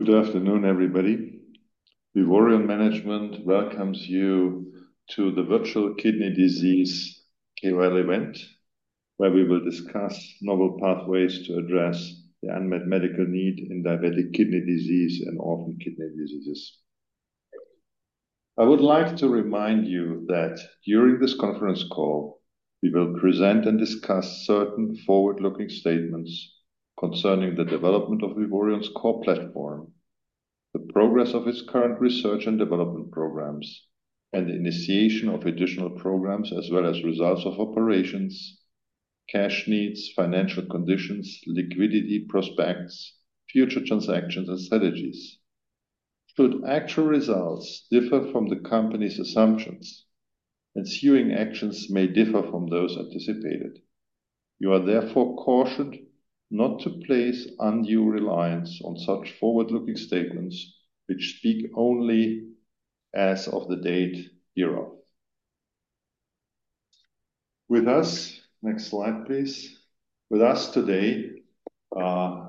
Good afternoon, everybody. Vivoryon Management welcomes you to the Virtual Kidney Disease KOL Event, where we will discuss novel pathways to address the unmet medical need in diabetic kidney disease and orphan kidney diseases. I would like to remind you that during this conference call, we will present and discuss certain forward-looking statements concerning the development of Vivoryon's core platform, the progress of its current research and development programs, and the initiation of additional programs, as well as results of operations, cash needs, financial conditions, liquidity prospects, future transactions, and strategies. Should actual results differ from the company's assumptions, ensuing actions may differ from those anticipated. You are therefore cautioned not to place undue reliance on such forward-looking statements which speak only as of the date hereof. With us. Next slide, please. With us today,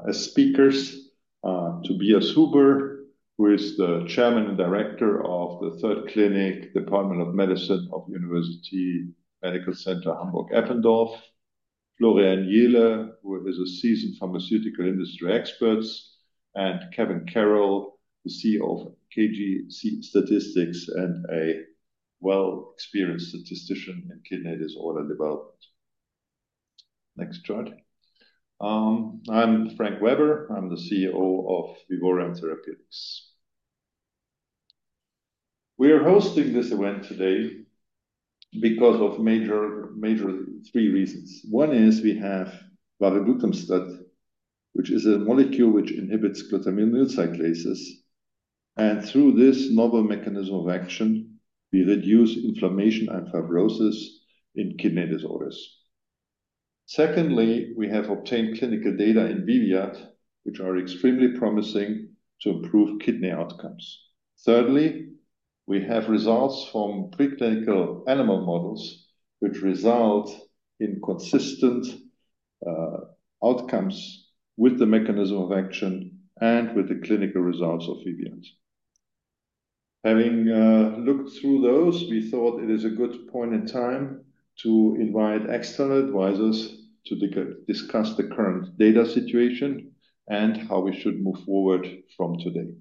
as speakers, Tobias Huber, who is the chairman and director of the Third Clinic Department of Medicine of University Medical Center Hamburg-Eppendorf. Florian Jehle, who is a seasoned pharmaceutical industry expert. And Kevin Carroll, the CEO of KJC Statistics and a well-experienced statistician in kidney disorder development. Next chart. I'm Frank Weber. I'm the CEO of Vivoryon Therapeutics. We are hosting this event today because of major, major three reasons. One is we have Varoglutamstat, which is a molecule which inhibits glutaminyl cyclase, and through this novel mechanism of action, we reduce inflammation and fibrosis in kidney disorders. Secondly, we have obtained clinical data in VIVIAD, which are extremely promising to improve kidney outcomes. Thirdly, we have results from preclinical animal models, which result in consistent outcomes with the mechanism of action and with the clinical results of VIVIAD. Having looked through those, we thought it is a good point in time to invite external advisors to discuss the current data situation and how we should move forward from today.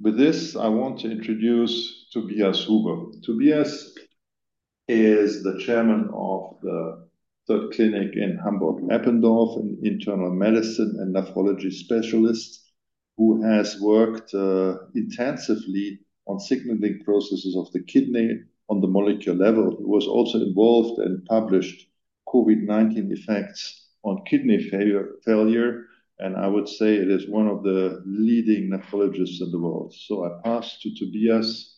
With this, I want to introduce Tobias Huber. Tobias is the chairman of the Third Clinic in Hamburg-Eppendorf, an internal medicine and nephrology specialist, who has worked intensively on signaling processes of the kidney on the molecule level. He was also involved and published COVID-19 effects on kidney failure, and I would say he is one of the leading nephrologists in the world. So I pass to Tobias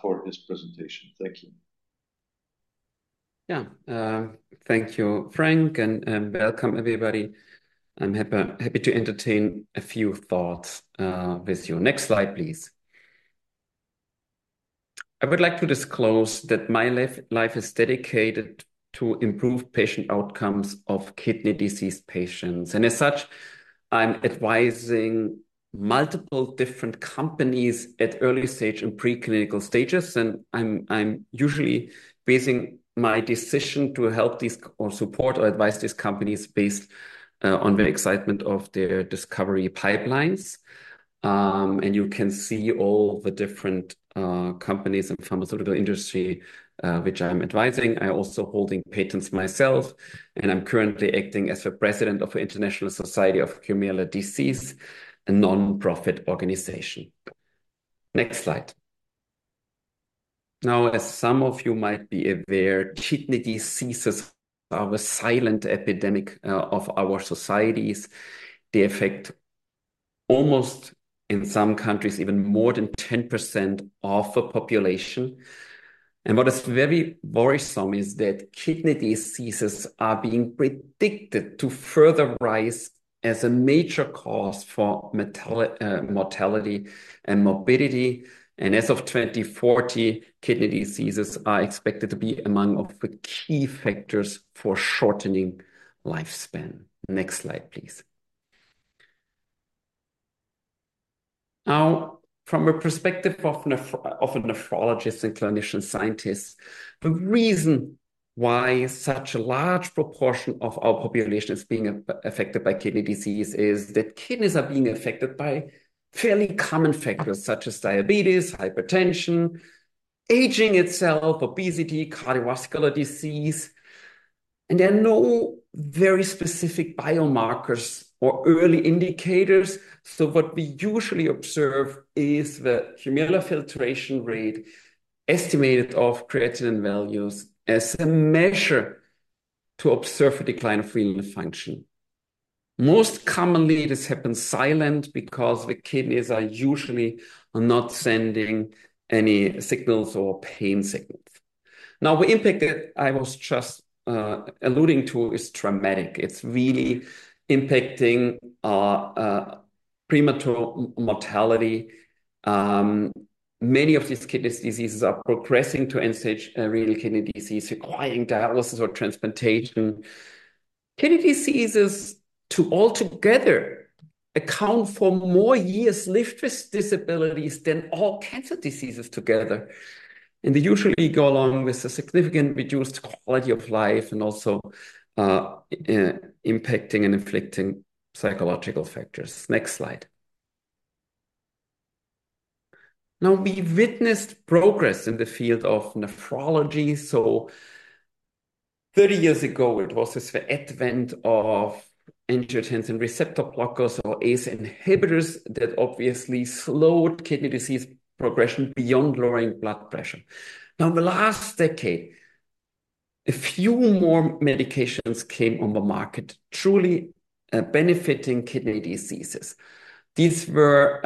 for his presentation. Thank you. Yeah. Thank you, Frank, and welcome, everybody. I'm happy to entertain a few thoughts with you. Next slide, please. I would like to disclose that my life is dedicated to improve patient outcomes of kidney disease patients, and as such, I'm advising multiple different companies at early stage in preclinical stages, and I'm usually basing my decision to help these or support or advise these companies based on the excitement of their discovery pipelines. And you can see all the different companies in pharmaceutical industry which I'm advising. I also holding patents myself, and I'm currently acting as the President of the International Society of Glomerular Disease, a nonprofit organization. Next slide. Now, as some of you might be aware, kidney diseases are a silent epidemic of our societies. They affect almost, in some countries, even more than 10% of the population. What is very worrisome is that kidney diseases are being predicted to further rise as a major cause for mortality and morbidity. As of 2040, kidney diseases are expected to be among the key factors for shortening lifespan. Next slide, please. Now, from a perspective of nephrology, of a nephrologist and clinician scientist, the reason why such a large proportion of our population is being affected by kidney disease is that kidneys are being affected by fairly common factors such as diabetes, hypertension, aging itself, obesity, cardiovascular disease, and there are no very specific biomarkers or early indicators. What we usually observe is the glomerular filtration rate estimated from creatinine values, as a measure to observe a decline of renal function. Most commonly, this happens silent because the kidneys are usually not sending any signals or pain signals. Now, the impact that I was just alluding to is dramatic. It's really impacting premature mortality. Many of these kidney diseases are progressing to end-stage renal disease, requiring dialysis or transplantation. Kidney diseases altogether account for more years lived with disabilities than all cancer diseases together, and they usually go along with a significant reduced quality of life and also impacting and inflicting psychological factors. Next slide. Now, we witnessed progress in the field of nephrology. 30 years ago, it was the advent of angiotensin receptor blockers or ACE inhibitors that obviously slowed kidney disease progression beyond lowering blood pressure. Now, in the last decade, a few more medications came on the market, truly benefiting kidney diseases. These were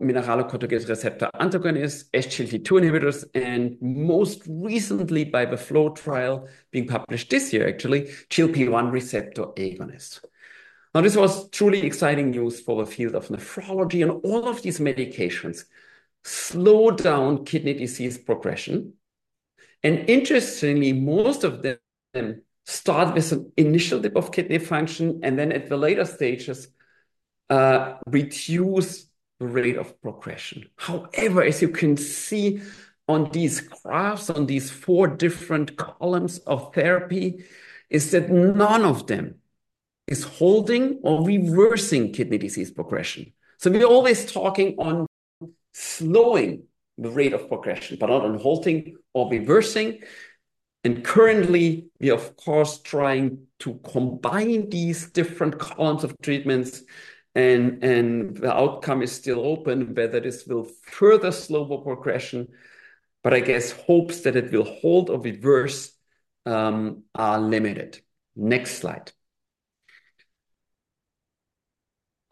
mineralocorticoid receptor antagonists, SGLT2 inhibitors, and most recently, by the FLOW trial being published this year, actually, GLP-1 receptor agonist. Now, this was truly exciting news for the field of nephrology, and all of these medications slowed down kidney disease progression. And interestingly, most of them start with an initial dip of kidney function, and then at the later stages, reduce the rate of progression. However, as you can see on these graphs, on these four different columns of therapy, is that none of them is holding or reversing kidney disease progression. So we're always talking on slowing the rate of progression, but not on halting or reversing. And currently, we're of course trying to combine these different kinds of treatments, and the outcome is still open, whether this will further slow the progression, but I guess hopes that it will halt or reverse are limited. Next slide.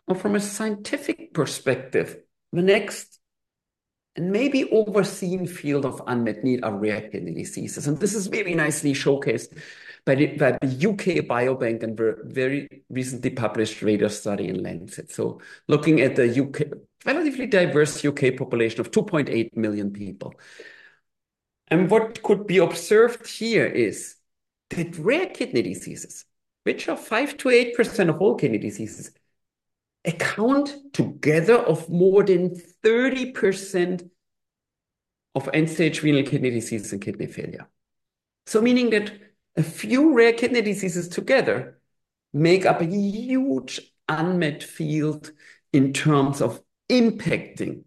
Now, from a scientific perspective, the next and maybe overlooked field of unmet need are rare kidney diseases, and this is very nicely showcased by the U.K. Biobank and very recently published RADAR study in Lancet. So looking at the U.K., relatively diverse U.K. population of 2.8 million people. And what could be observed here is that rare kidney diseases, which are 5-8% of all kidney diseases, account together for more than 30% of end-stage renal disease and kidney failure. Meaning that a few rare kidney diseases together make up a huge unmet field in terms of impacting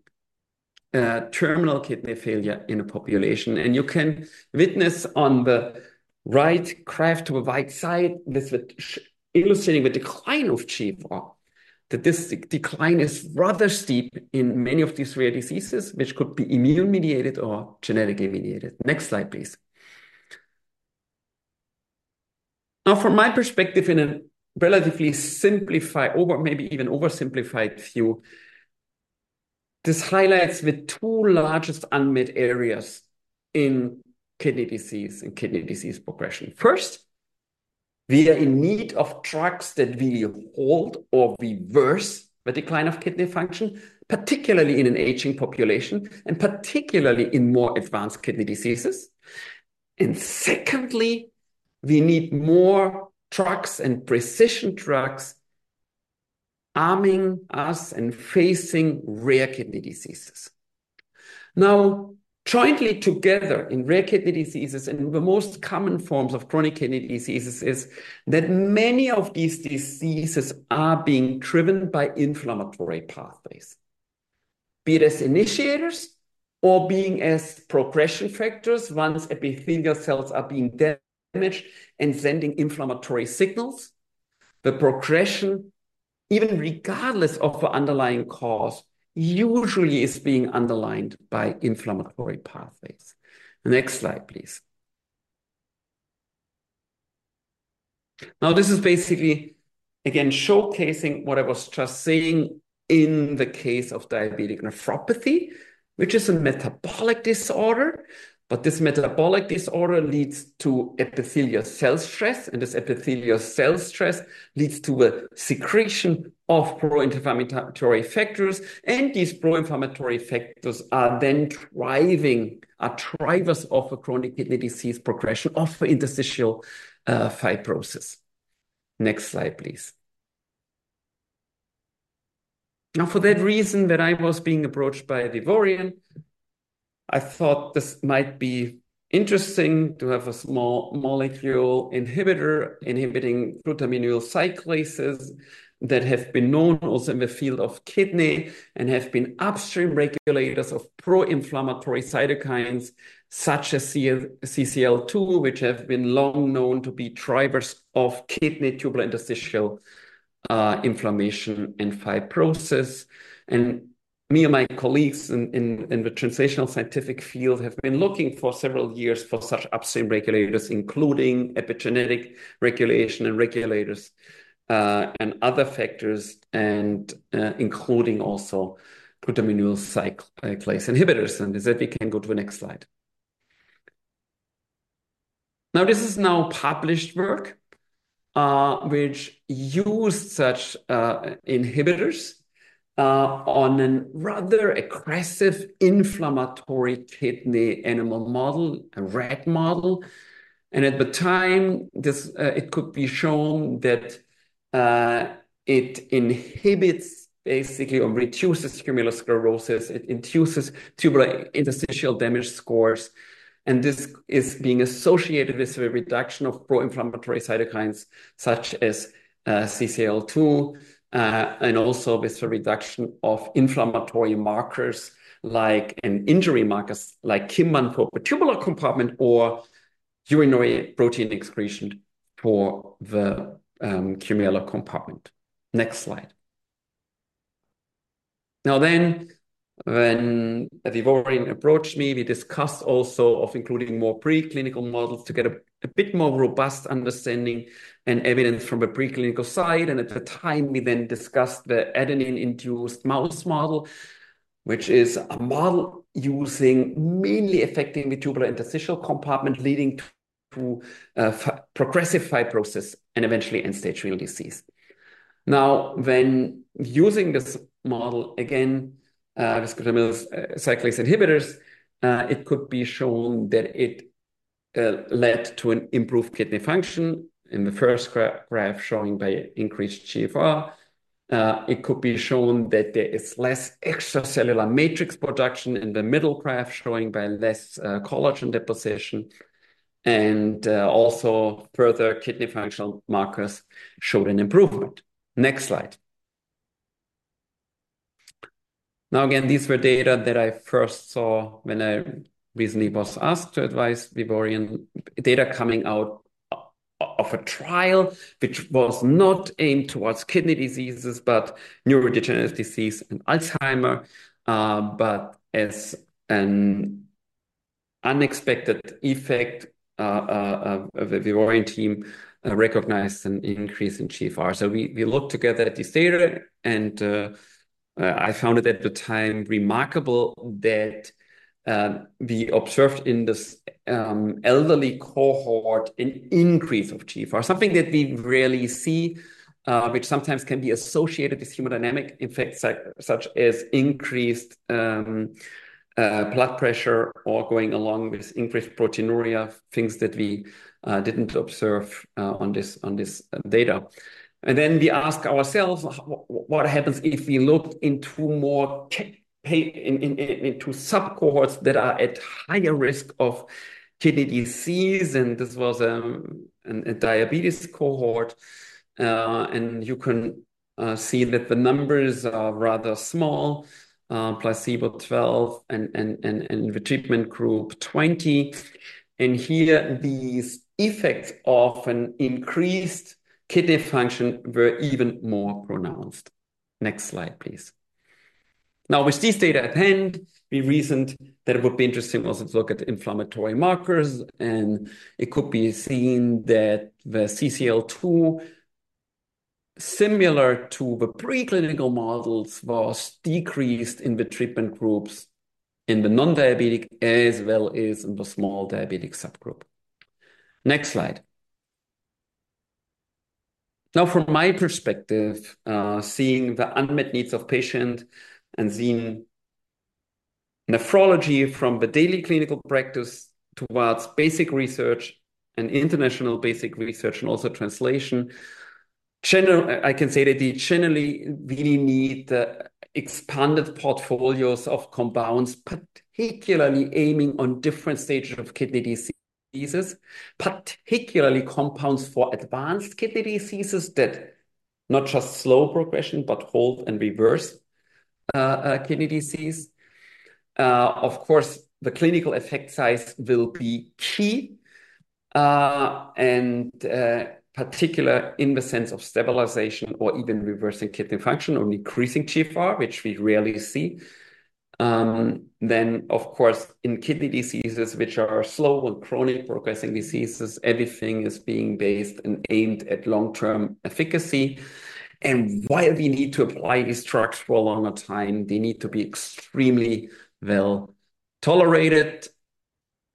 terminal kidney failure in a population. And you can witness on the right graph to the right side. This is illustrating the decline of GFR, that this decline is rather steep in many of these rare diseases, which could be immune-mediated or genetically mediated. Next slide, please. Now, from my perspective, in a relatively simplified or maybe even oversimplified view, this highlights the two largest unmet areas in kidney disease and kidney disease progression. First, we are in need of drugs that will halt or reverse the decline of kidney function, particularly in an aging population, and particularly in more advanced kidney diseases. And secondly, we need more drugs and precision drugs arming us and facing rare kidney diseases. Now, jointly together in rare kidney diseases and the most common forms of chronic kidney diseases is that many of these diseases are being driven by inflammatory pathways, be it as initiators or being as progression factors. Once epithelial cells are being damaged and sending inflammatory signals, the progression, even regardless of the underlying cause, usually is being underlined by inflammatory pathways. The next slide, please. Now, this is basically, again, showcasing what I was just saying in the case of diabetic nephropathy, which is a metabolic disorder, but this metabolic disorder leads to epithelial cell stress, and this epithelial cell stress leads to a secretion of pro-inflammatory factors, and these pro-inflammatory factors are then driving, are drivers of a chronic kidney disease progression of interstitial, fibrosis. Next slide, please. Now, for that reason that I was being approached by Vivoryon, I thought this might be interesting to have a small molecule inhibitor inhibiting glutaminyl cyclases that have been known also in the field of kidney and have been upstream regulators of pro-inflammatory cytokines, such as CCL2, which have been long known to be drivers of kidney tubulointerstitial inflammation and fibrosis. And me and my colleagues in the translational scientific field have been looking for several years for such upstream regulators, including epigenetic regulation and regulators and other factors, and including also glutaminyl cyclase inhibitors. And with that we can go to the next slide. Now, this is now published work which used such inhibitors on a rather aggressive inflammatory kidney animal model, a rat model. At the time, this, it could be shown that, it inhibits basically or reduces glomerulosclerosis, it reduces tubular interstitial damage scores, and this is being associated with the reduction of pro-inflammatory cytokines such as, CCL2, and also with the reduction of inflammatory markers like, and injury markers like KIM-1 for the tubular compartment or urinary protein excretion for the, glomerular compartment. Next slide. Now then, when Vivoryon approached me, we discussed also of including more preclinical models to get a bit more robust understanding and evidence from a preclinical side. At the time, we then discussed the adenine-induced mouse model, which is a model mainly affecting the tubular interstitial compartment, leading to progressive fibrosis and eventually end-stage renal disease. Now, when using this model again, with glutaminyl cyclase inhibitors, it could be shown that it led to an improved kidney function in the first graph showing by increased GFR. It could be shown that there is less extracellular matrix production in the middle graph, showing by less collagen deposition, and also further kidney functional markers showed an improvement. Next slide. Now, again, these were data that I first saw when I recently was asked to advise Vivoryon, data coming out of a trial which was not aimed towards kidney diseases, but neurodegenerative disease and Alzheimer. But as an unexpected effect, of the Vivoryon team recognized an increase in GFR. So we looked together at this data, and I found it at the time remarkable that we observed in this elderly cohort an increase of GFR, something that we rarely see, which sometimes can be associated with hemodynamic effects, such as increased blood pressure or going along with increased proteinuria, things that we didn't observe on this data. And then we ask ourselves, what happens if we look into more kidney patients in sub-cohorts that are at higher risk of kidney disease? And this was a diabetes cohort. And you can see that the numbers are rather small, placebo 12 and the treatment group, 20. And here, these effects of an increased kidney function were even more pronounced. Next slide, please. Now, with these data at hand, we reasoned that it would be interesting also to look at inflammatory markers, and it could be seen that the CCL2, similar to the preclinical models, was decreased in the treatment groups, in the non-diabetic, as well as in the small diabetic subgroup. Next slide. Now, from my perspective, seeing the unmet needs of patient and seeing nephrology from the daily clinical practice towards basic research and international basic research, and also translation. I can say that we generally need the expanded portfolios of compounds, particularly aiming on different stages of kidney diseases, particularly compounds for advanced kidney diseases that not just slow progression, but halt and reverse kidney disease. Of course, the clinical effect size will be key, and particularly in the sense of stabilization or even reversing kidney function or increasing GFR, which we rarely see. Then, of course, in kidney diseases, which are slow and chronic progressing diseases, everything is being based and aimed at long-term efficacy. And while we need to apply these drugs for a longer time, they need to be extremely well tolerated.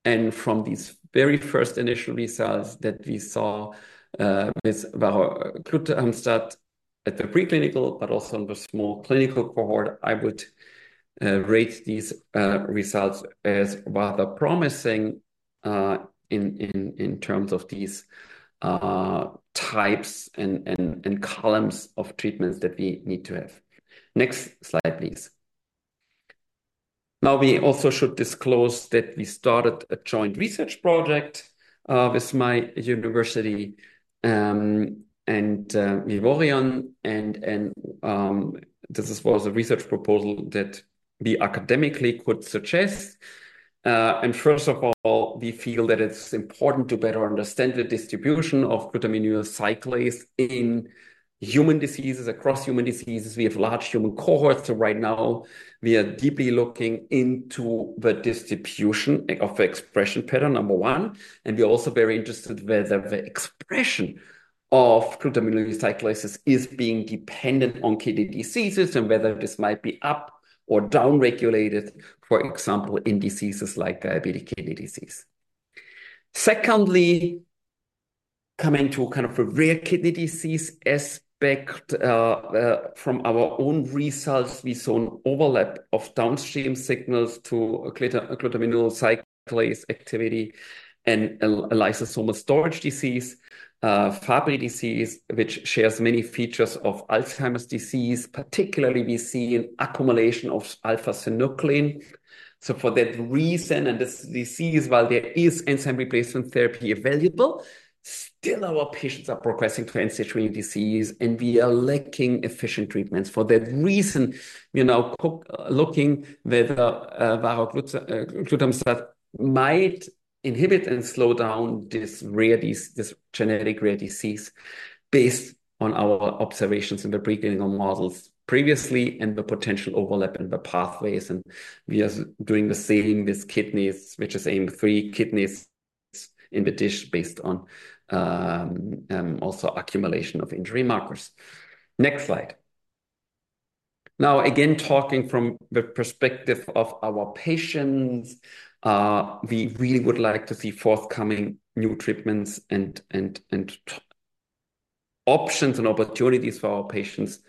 And from these very first initial results that we saw, with our glutaminyl cyclase at the preclinical, but also in the small clinical cohort, I would rate these results as rather promising, in terms of these types and columns of treatments that we need to have. Next slide, please. Now, we also should disclose that we started a joint research project with my university and Vivoryon, and this was a research proposal that we academically could suggest. First of all, we feel that it's important to better understand the distribution of glutaminyl cyclase in human diseases, across human diseases. We have large human cohorts, so right now we are deeply looking into the distribution of the expression pattern, number one. And we are also very interested whether the expression of glutaminyl cyclases is being dependent on kidney diseases and whether this might be up or down-regulated, for example, in diseases like diabetic kidney disease. Secondly-... Coming to kind of a rare kidney disease aspect, from our own results, we saw an overlap of downstream signals to a glutaminyl cyclase activity and a lysosomal storage disease, Fabry disease, which shares many features of Alzheimer's disease. Particularly, we see an accumulation of alpha-synuclein. So for that reason, and this disease, while there is enzyme replacement therapy available, still our patients are progressing to end-stage renal disease, and we are lacking efficient treatments. For that reason, we are now looking whether Varoglutamstat might inhibit and slow down this rare disease, this genetic rare disease, based on our observations in the preclinical models previously and the potential overlap in the pathways. And we are doing the same with kidneys, which is AM three kidneys in the dish based on also accumulation of injury markers. Next slide. Now, again, talking from the perspective of our patients, we really would like to see forthcoming new treatments and options and opportunities for our patients,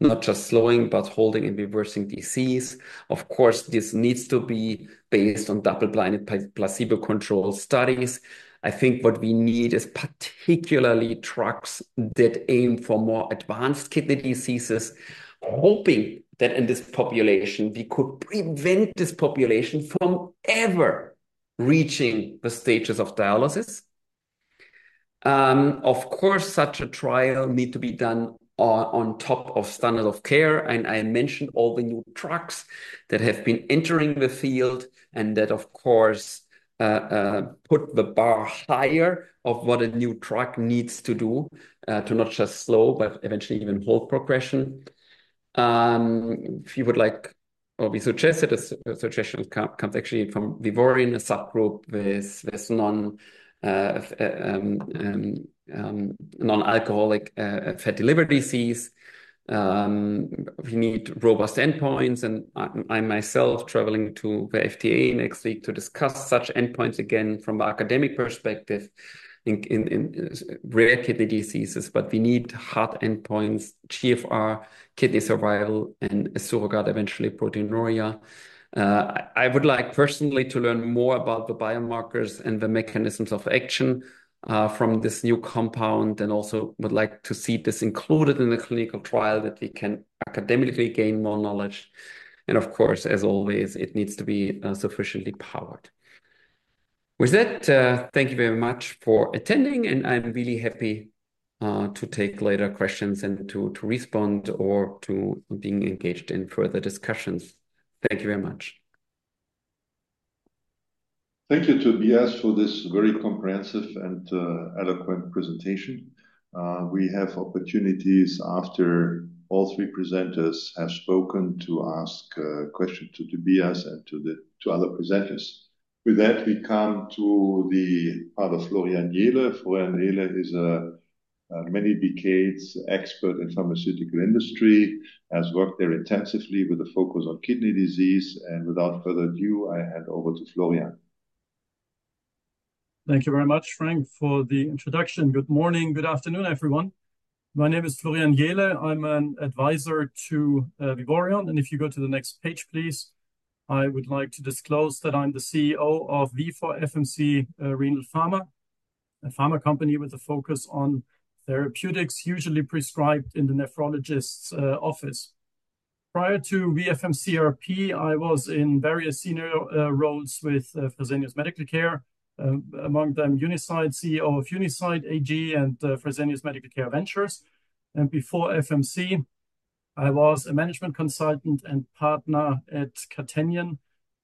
not just slowing, but holding and reversing disease. Of course, this needs to be based on double-blind, placebo-controlled studies. I think what we need is particularly drugs that aim for more advanced kidney diseases, hoping that in this population, we could prevent this population from ever reaching the stages of dialysis. Of course, such a trial need to be done on top of standard of care, and I mentioned all the new drugs that have been entering the field, and that, of course, put the bar higher of what a new drug needs to do, to not just slow, but eventually even halt progression. If you would like or we suggested, a suggestion comes actually from Vivoryon, a subgroup with non-alcoholic fatty liver disease. We need robust endpoints, and I myself traveling to the FDA next week to discuss such endpoints, again, from an academic perspective in rare kidney diseases, but we need hard endpoints, GFR, kidney survival, and a surrogate, eventually proteinuria. I would like personally to learn more about the biomarkers and the mechanisms of action from this new compound, and also would like to see this included in the clinical trial that we can academically gain more knowledge, and of course, as always, it needs to be sufficiently powered. With that, thank you very much for attending, and I'm really happy to take later questions and to respond or to being engaged in further discussions. Thank you very much. Thank you to Tobias for this very comprehensive and eloquent presentation. We have opportunities after all three presenters have spoken to ask questions to Tobias and to other presenters. With that, we come to the other, Florian Jehle. Florian Jehle is a many decades expert in pharmaceutical industry, has worked there intensively with a focus on kidney disease, and without further ado, I hand over to Florian. Thank you very much, Frank, for the introduction. Good morning. Good afternoon, everyone. My name is Florian Jehle. I'm an advisor to Vivoryon, and if you go to the next page, please, I would like to disclose that I'm the CEO of Vifor FMC Renal Pharma, a pharma company with a focus on therapeutics usually prescribed in the nephrologist's office. Prior to VFMC RP, I was in various senior roles with Fresenius Medical Care, among them Unicyte, CEO of Unicyte AG, and Fresenius Medical Care Ventures. And before FMC, I was a management consultant and partner at Catenion,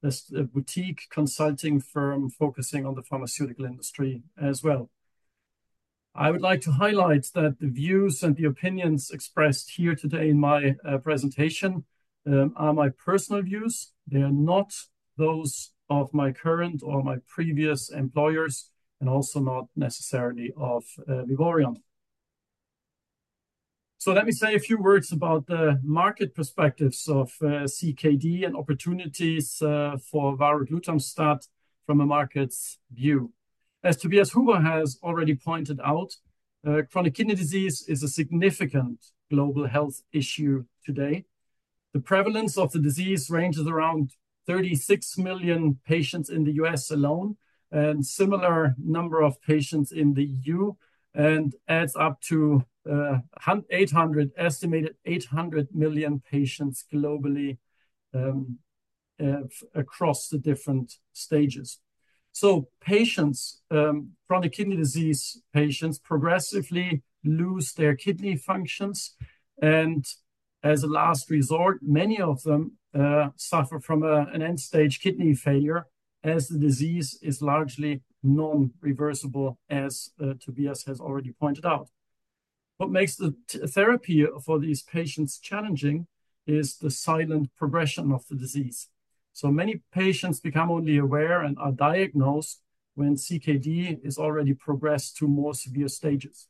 a boutique consulting firm focusing on the pharmaceutical industry as well. I would like to highlight that the views and the opinions expressed here today in my presentation are my personal views. They are not those of my current or my previous employers, and also not necessarily of Vivoryon. So let me say a few words about the market perspectives of CKD and opportunities for Varoglutamstat from a market's view. As Tobias Huber has already pointed out, chronic kidney disease is a significant global health issue today. The prevalence of the disease ranges around 36 million patients in the U.S. alone, and similar number of patients in the EU, and adds up to estimated 800 million patients globally across the different stages. So patients, chronic kidney disease patients progressively lose their kidney functions, and as a last resort, many of them suffer from an end-stage kidney failure, as the disease is largely non-reversible, as Tobias has already pointed out. What makes the therapy for these patients challenging is the silent progression of the disease. So many patients become only aware and are diagnosed when CKD is already progressed to more severe stages.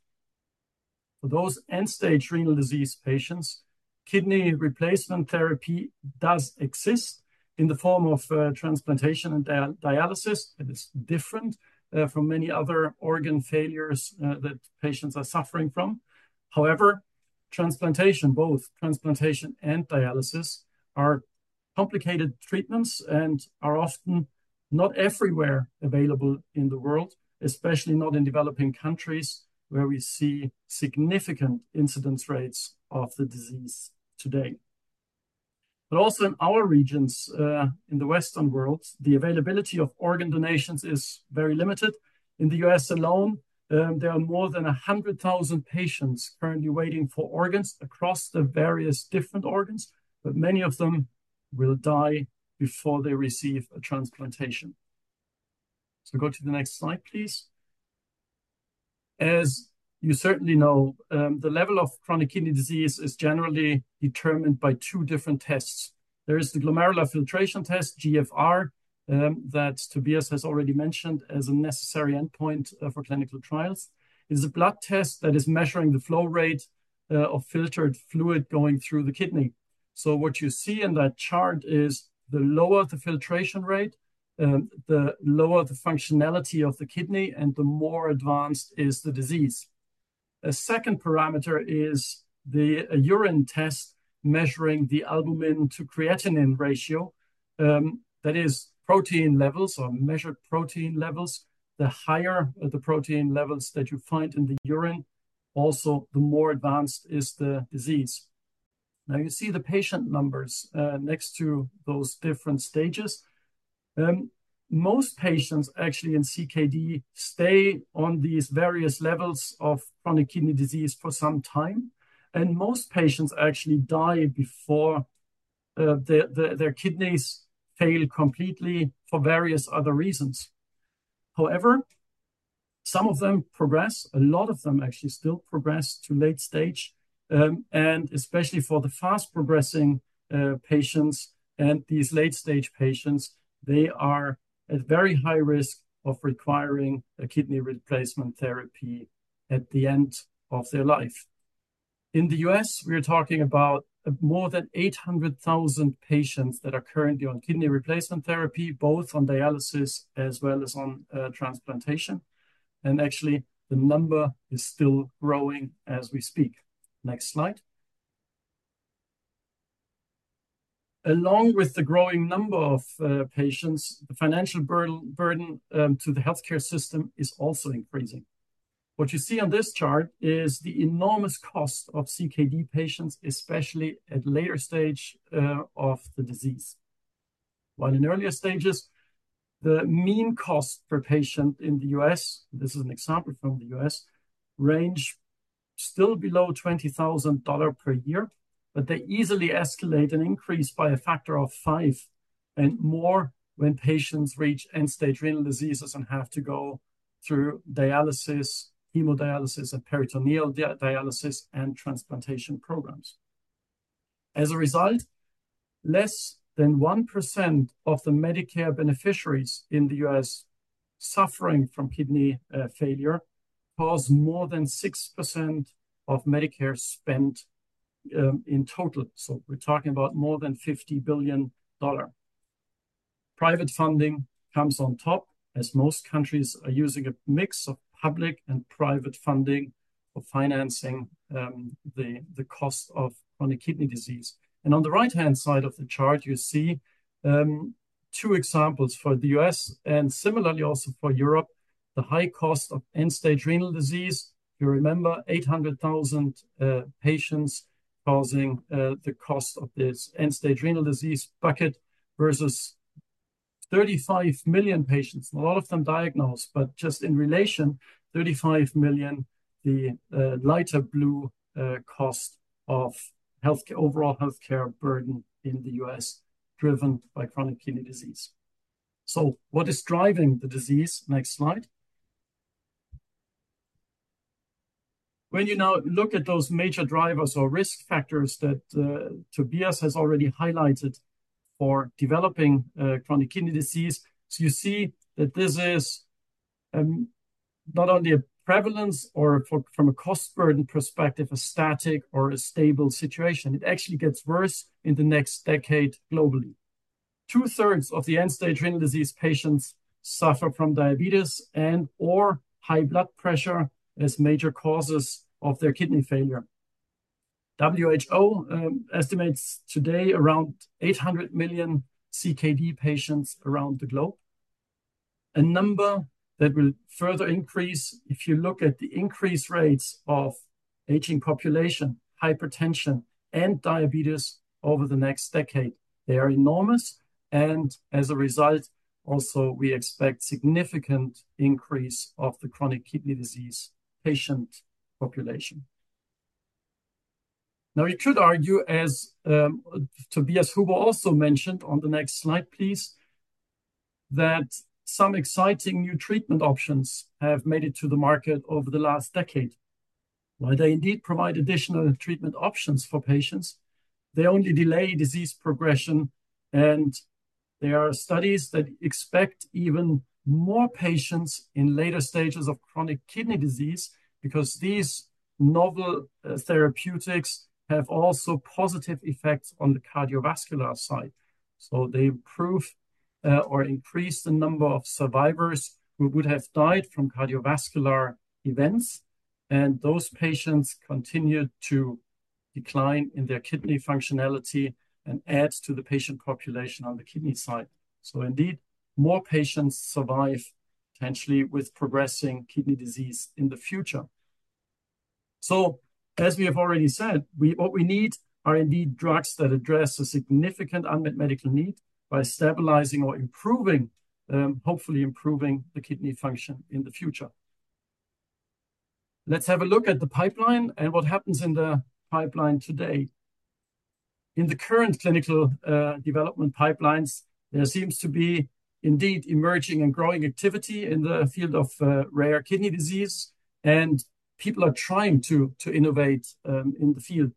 For those end-stage renal disease patients, kidney replacement therapy does exist in the form of transplantation and dialysis. It is different from many other organ failures that patients are suffering from. However, transplantation, both transplantation and dialysis, are complicated treatments and are often not everywhere available in the world, especially not in developing countries, where we see significant incidence rates of the disease today. But also in our regions, in the Western world, the availability of organ donations is very limited. In the U.S. alone, there are more than a hundred thousand patients currently waiting for organs across the various different organs, but many of them will die before they receive a transplantation. So go to the next slide, please. As you certainly know, the level of chronic kidney disease is generally determined by two different tests. There is the glomerular filtration rate, GFR, that Tobias has already mentioned as a necessary endpoint for clinical trials. It is a blood test that is measuring the flow rate of filtered fluid going through the kidney. So what you see in that chart is the lower the filtration rate, the lower the functionality of the kidney, and the more advanced is the disease. A second parameter is the urine test, measuring the albumin-to-creatinine ratio, that is protein levels or measured protein levels. The higher the protein levels that you find in the urine, also, the more advanced is the disease. Now, you see the patient numbers next to those different stages. Most patients actually in CKD stay on these various levels of chronic kidney disease for some time, and most patients actually die before their kidneys fail completely for various other reasons. However, some of them progress. A lot of them actually still progress to late stage, and especially for the fast-progressing patients and these late-stage patients, they are at very high risk of requiring a kidney replacement therapy at the end of their life. In the U.S., we are talking about more than eight hundred thousand patients that are currently on kidney replacement therapy, both on dialysis as well as on transplantation, and actually, the number is still growing as we speak. Next slide. Along with the growing number of patients, the financial burden to the healthcare system is also increasing. What you see on this chart is the enormous cost of CKD patients, especially at later stage of the disease. While in earlier stages, the mean cost per patient in the U.S., this is an example from the U.S., range still below $20,000 per year, but they easily escalate and increase by a factor of five and more when patients reach end-stage renal diseases and have to go through dialysis, hemodialysis, and peritoneal dialysis and transplantation programs. As a result, less than 1% of the Medicare beneficiaries in the U.S. suffering from kidney failure cause more than 6% of Medicare spent in total. So we're talking about more than $50 billion. Private funding comes on top, as most countries are using a mix of public and private funding for financing, the cost of chronic kidney disease. And on the right-hand side of the chart, you see, two examples for the U.S. and similarly also for Europe, the high cost of end-stage renal disease. You remember, eight hundred thousand patients causing the cost of this end-stage renal disease bucket versus 35 million patients, a lot of them diagnosed, but just in relation, 35 million, the lighter blue cost of healthcare - overall healthcare burden in the U.S. driven by chronic kidney disease. So what is driving the disease? Next slide. When you now look at those major drivers or risk factors that Tobias has already highlighted for developing chronic kidney disease, so you see that this is not only a prevalence or from a cost burden perspective, a static or a stable situation, it actually gets worse in the next decade globally. Two-thirds of the end-stage renal disease patients suffer from diabetes and/or high blood pressure as major causes of their kidney failure. WHO estimates today around 800 million CKD patients around the globe, a number that will further increase. If you look at the increased rates of aging population, hypertension, and diabetes over the next decade, they are enormous, and as a result, also, we expect significant increase of the chronic kidney disease patient population. Now, you could argue as Tobias Huber also mentioned on the next slide, please, that some exciting new treatment options have made it to the market over the last decade. While they indeed provide additional treatment options for patients they only delay disease progression, and there are studies that expect even more patients in later stages of chronic kidney disease because these novel therapeutics have also positive effects on the cardiovascular side, so they improve or increase the number of survivors who would have died from cardiovascular events, and those patients continue to decline in their kidney functionality and adds to the patient population on the kidney side, so indeed, more patients survive potentially with progressing kidney disease in the future. As we have already said, what we need are indeed drugs that address a significant unmet medical need by stabilizing or improving, hopefully improving the kidney function in the future. Let's have a look at the pipeline and what happens in the pipeline today. In the current clinical development pipelines, there seems to be indeed emerging and growing activity in the field of rare kidney disease, and people are trying to innovate in the field.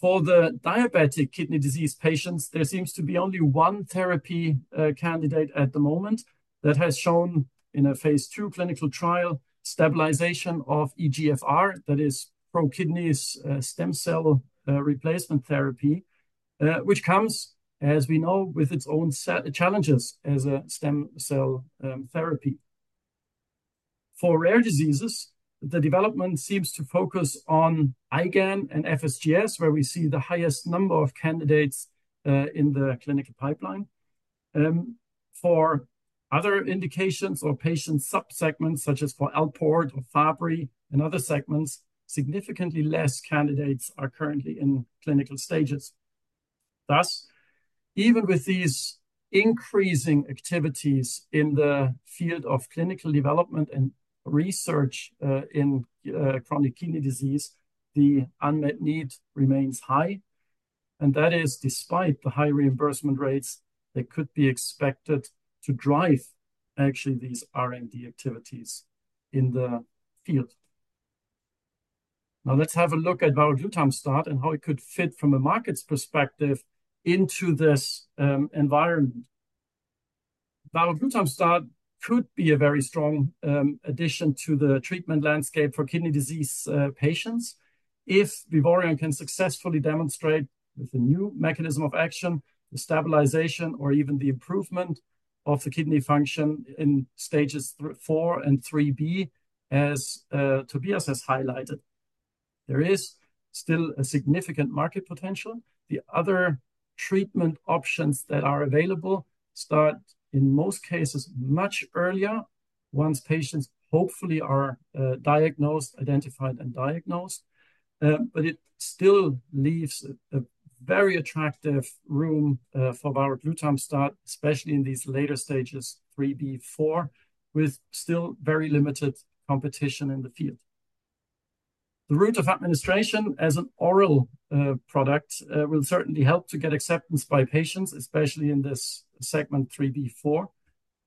For the diabetic kidney disease patients, there seems to be only one therapy candidate at the moment that has shown in a phase II clinical trial, stabilization of eGFR, that is, ProKidney's stem cell replacement therapy, which comes, as we know, with its own set of challenges as a stem cell therapy. For rare diseases, the development seems to focus on IgAN and FSGS, where we see the highest number of candidates in the clinical pipeline. For other indications or patient subsegments, such as for Alport or Fabry and other segments, significantly less candidates are currently in clinical stages. Thus, even with these increasing activities in the field of clinical development and research in chronic kidney disease, the unmet need remains high, and that is despite the high reimbursement rates that could be expected to drive actually these R&D activities in the field. Now let's have a look at Varoglutamstat and how it could fit from a market's perspective into this environment. Varoglutamstat could be a very strong addition to the treatment landscape for kidney disease patients if Vivoryon can successfully demonstrate, with a new mechanism of action, the stabilization or even the improvement of the kidney function in stages three, four, and 3B, as Tobias has highlighted. There is still a significant market potential. The other treatment options that are available start, in most cases, much earlier, once patients hopefully are diagnosed, identified, and diagnosed. But it still leaves a very attractive room for Varoglutamstat, especially in these later stages, 3B, four, with still very limited competition in the field. The route of administration as an oral product will certainly help to get acceptance by patients, especially in this segment 3B, four,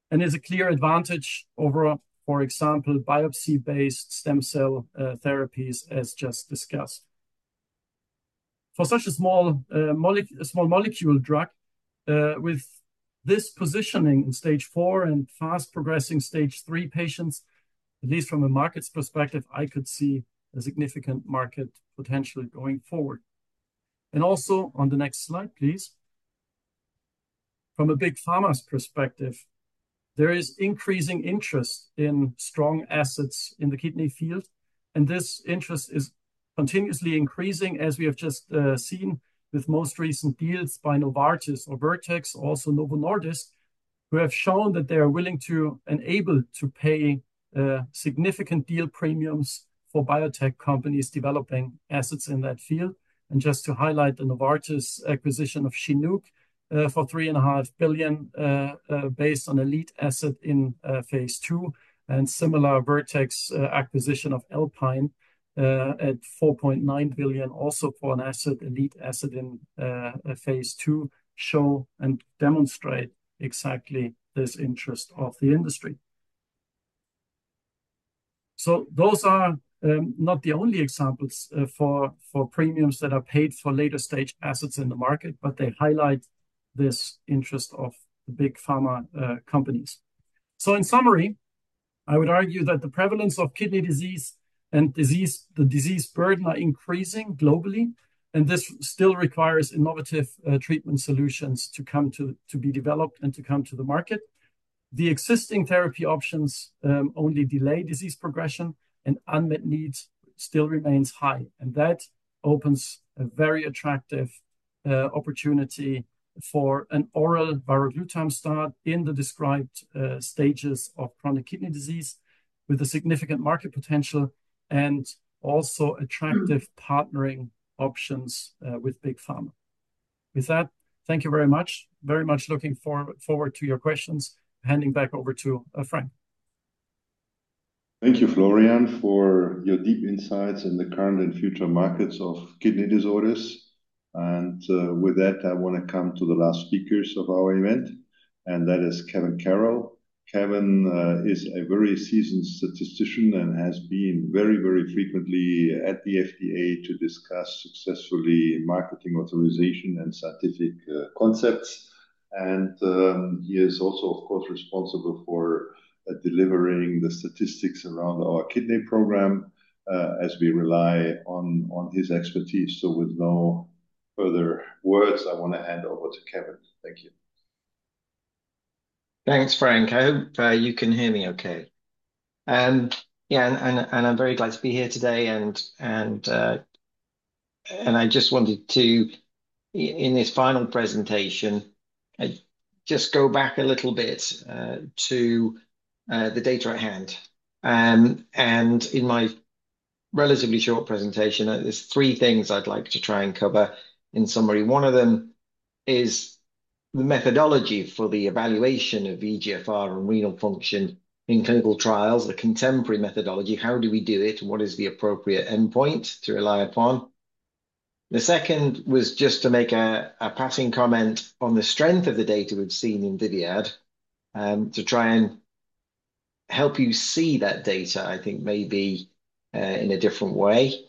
and is a clear advantage over, for example, biopsy-based stem cell therapies, as just discussed. For such a small molecule drug, with this positioning in stage four and fast-progressing stage three patients, at least from a market's perspective, I could see a significant market potentially going forward. And also, on the next slide, please. From a big pharma's perspective, there is increasing interest in strong assets in the kidney field, and this interest is continuously increasing, as we have just seen with most recent deals by Novartis or Vertex, also Novo Nordisk, who have shown that they are willing to and able to pay significant deal premiums for biotech companies developing assets in that field. Just to highlight the Novartis acquisition of Chinook for $3.5 billion based on a lead asset in phase II, and similar Vertex acquisition of Alpine at $4.9 billion, also for an asset, a lead asset in a phase II, show and demonstrate exactly this interest of the industry. So those are not the only examples for premiums that are paid for later-stage assets in the market, but they highlight this interest of the big pharma companies. So in summary, I would argue that the prevalence of kidney disease and disease, the disease burden, are increasing globally, and this still requires innovative treatment solutions to come to be developed and to come to the market. The existing therapy options only delay disease progression, and unmet needs still remains high, and that opens a very attractive opportunity for an oral Varoglutamstat in the described stages of chronic kidney disease with a significant market potential and also attractive partnering options with big pharma. With that, thank you very much. Very much looking forward to your questions. Handing back over to Frank. Thank you, Florian, for your deep insights in the current and future markets of kidney disorders and, with that, I want to come to the last speakers of our event, and that is Kevin Carroll. Kevin is a very seasoned statistician and has been very, very frequently at the FDA to discuss successfully marketing authorization and scientific concepts and he is also, of course, responsible for delivering the statistics around our kidney program, as we rely on his expertise, so with no further words, I want to hand over to Kevin. Thank you. Thanks, Frank. I hope you can hear me okay. Yeah, I'm very glad to be here today, and I just wanted to in this final presentation, just go back a little bit, to the data at hand. And in my relatively short presentation, there's three things I'd like to try and cover in summary. One of them is the methodology for the evaluation of eGFR and renal function in clinical trials, the contemporary methodology, how do we do it? What is the appropriate endpoint to rely upon? The second was just to make a passing comment on the strength of the data we've seen in VIVIAD, to try and help you see that data, I think maybe, in a different way.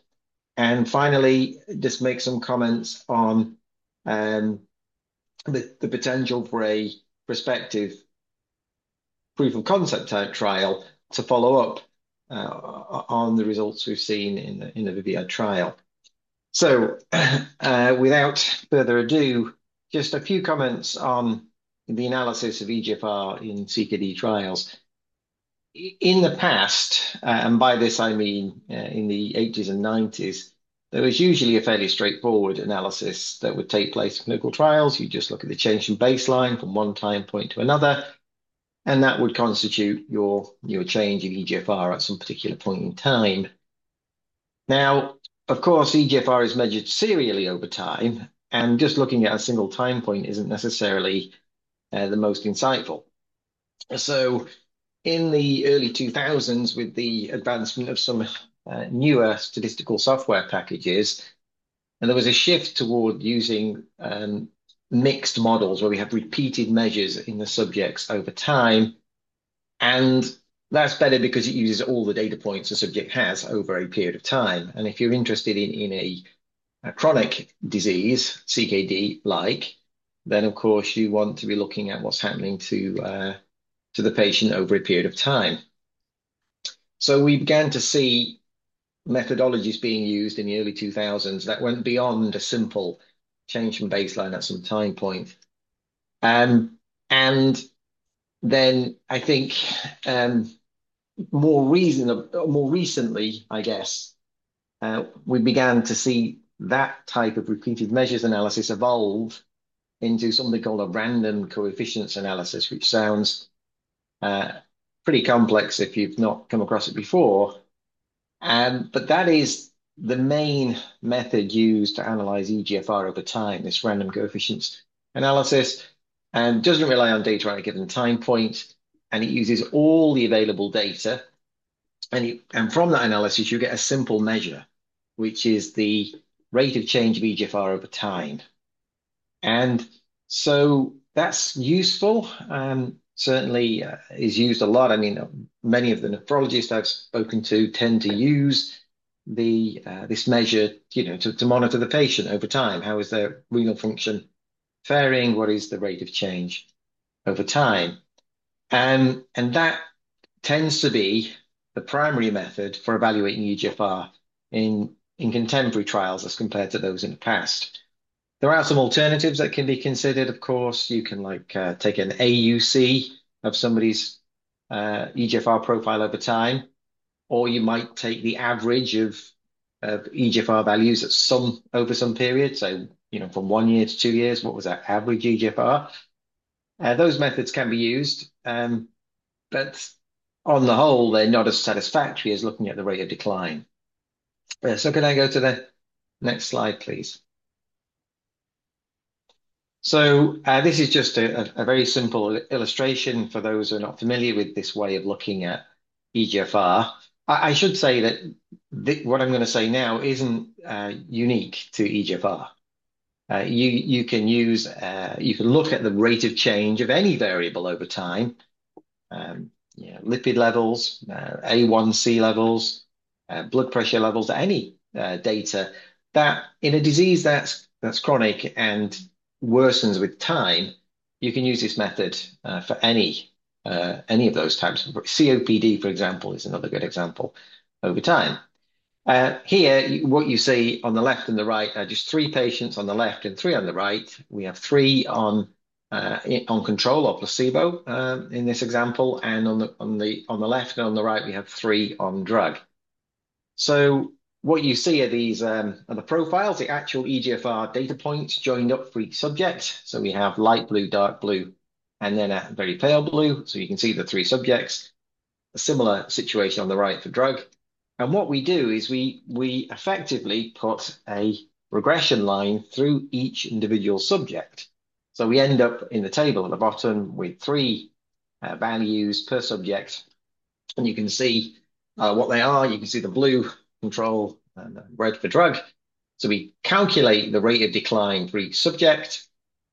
And finally, just make some comments on the potential for a prospective proof of concept type trial to follow up on the results we've seen in the VIVIAD trial. So, without further ado, just a few comments on the analysis of eGFR in CKD trials. In the past, and by this I mean, in the eighties and nineties, there was usually a fairly straightforward analysis that would take place in clinical trials. You just look at the change in baseline from one time point to another, and that would constitute your change in eGFR at some particular point in time. Now, of course, eGFR is measured serially over time, and just looking at a single time point isn't necessarily the most insightful. So in the early 2000s, with the advancement of some newer statistical software packages, and there was a shift toward using mixed models, where we have repeated measures in the subjects over time, and that's better because it uses all the data points a subject has over a period of time. And if you're interested in a chronic disease like CKD, then of course you want to be looking at what's happening to the patient over a period of time. So we began to see methodologies being used in the early 2000s that went beyond a simple change from baseline at some time point. And then I think more reason... More recently, I guess, we began to see that type of repeated measures analysis evolve into something called a random coefficients analysis, which sounds pretty complex if you've not come across it before. But that is the main method used to analyze eGFR over time, this random coefficients analysis, and doesn't rely on data at a given time point, and it uses all the available data. From that analysis, you get a simple measure, which is the rate of change of eGFR over time. That's useful, certainly is used a lot. I mean, many of the nephrologists I've spoken to tend to use this measure, you know, to monitor the patient over time. How is their renal function faring? What is the rate of change over time? That tends to be the primary method for evaluating eGFR in contemporary trials as compared to those in the past. There are some alternatives that can be considered, of course. You can, like, take an AUC of somebody's eGFR profile over time, or you might take the average of eGFR values over some period. You know, from one year to two years, what was that average eGFR? Those methods can be used, but on the whole, they're not as satisfactory as looking at the rate of decline. Can I go to the next slide, please? This is just a very simple illustration for those who are not familiar with this way of looking at eGFR. I should say that what I'm gonna say now isn't unique to eGFR. You can use you can look at the rate of change of any variable over time, you know, lipid levels, A1C levels, blood pressure levels, any data that in a disease that's chronic and worsens with time. You can use this method for any any of those types. COPD, for example, is another good example over time. Here, what you see on the left and the right are just three patients on the left and three on the right. We have three on control or placebo, in this example, and on the left and on the right, we have three on drug. So what you see are these the profiles, the actual eGFR data points joined up for each subject. So we have light blue, dark blue, and then a very pale blue, so you can see the three subjects. A similar situation on the right for drug. And what we do is we effectively put a regression line through each individual subject. So we end up in the table at the bottom with three values per subject, and you can see what they are. You can see the blue control and the red for drug. So we calculate the rate of decline for each subject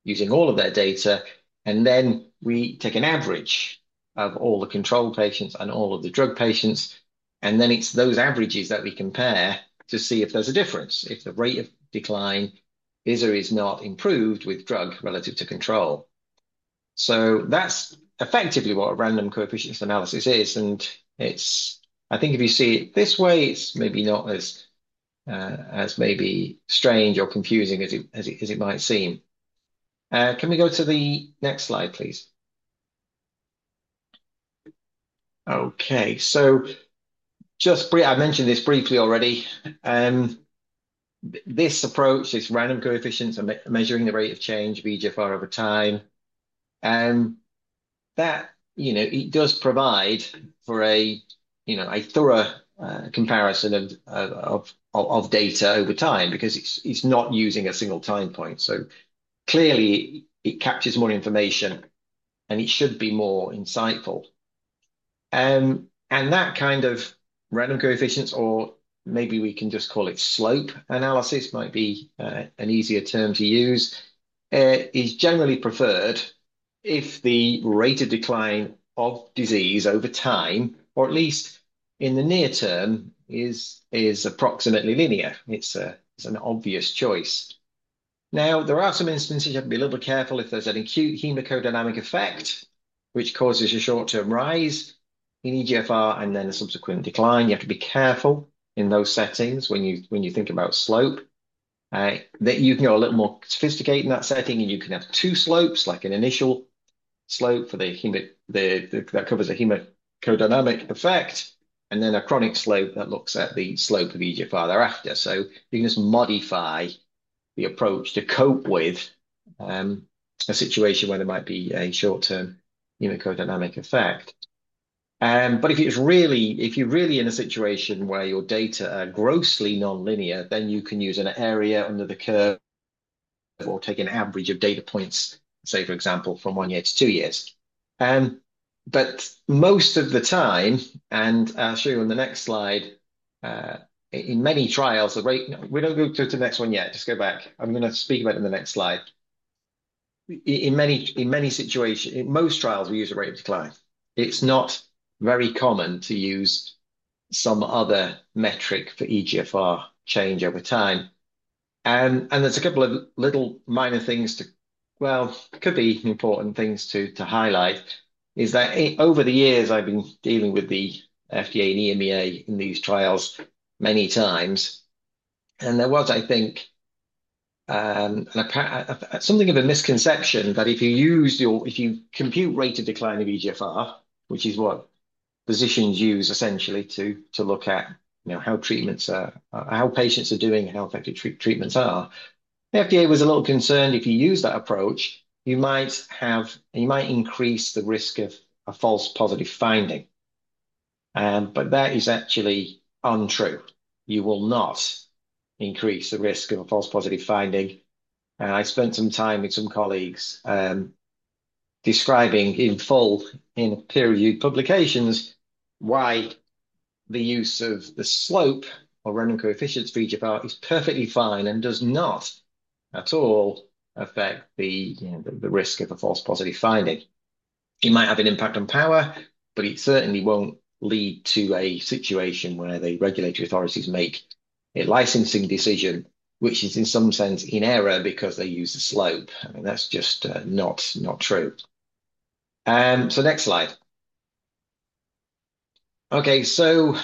using all of their data, and then we take an average of all the control patients and all of the drug patients, and then it's those averages that we compare to see if there's a difference, if the rate of decline is or is not improved with drug relative to control. So that's effectively what a random coefficients analysis is, and it's, I think if you see it this way, it's maybe not as strange or confusing as it might seem. Can we go to the next slide, please? Okay. I mentioned this briefly already. This approach, this random coefficients and measuring the rate of change of eGFR over time, that you know, it does provide for you know, a thorough comparison of data over time because it's not using a single time point. So clearly it captures more information, and it should be more insightful. And that kind of random coefficients, or maybe we can just call it slope analysis, might be an easier term to use, is generally preferred if the rate of decline of disease over time, or at least in the near term, is approximately linear. It's an obvious choice. Now, there are some instances you have to be a little careful if there's an acute hemodynamic effect, which causes a short-term rise in eGFR and then a subsequent decline. You have to be careful in those settings when you think about slope. That you can go a little more sophisticated in that setting, and you can have two slopes, like an initial slope for the hemodynamic effect, and then a chronic slope that looks at the slope of eGFR thereafter. So you can just modify the approach to cope with a situation where there might be a short-term hemodynamic effect. But if it's really, if you're really in a situation where your data are grossly non-linear, then you can use an area under the curve or take an average of data points, say, for example, from one year to two years. But most of the time, and I'll show you on the next slide, in many trials, the rate. We don't go to the next one yet. Just go back. I'm gonna speak about it in the next slide. In many, in many situations, in most trials, we use the rate of decline. It's not very common to use some other metric for eGFR change over time. And there's a couple of little minor things to. Could be important things to highlight is that over the years, I've been dealing with the FDA and EMA in these trials many times, and there was, I think, something of a misconception that if you compute rate of decline of eGFR, which is what physicians use essentially to look at, you know, how treatments are, how patients are doing and how effective treatments are, the FDA was a little concerned if you use that approach, you might increase the risk of a false positive finding. But that is actually untrue. You will not increase the risk of a false positive finding. And I spent some time with some colleagues, describing in full, in peer-reviewed publications, why the use of the slope or random coefficients for eGFR is perfectly fine and does not at all affect the, you know, the risk of a false positive finding. It might have an impact on power, but it certainly won't lead to a situation where the regulatory authorities make a licensing decision, which is in some sense in error because they use the slope. I mean, that's just not true. So next slide. Okay, so,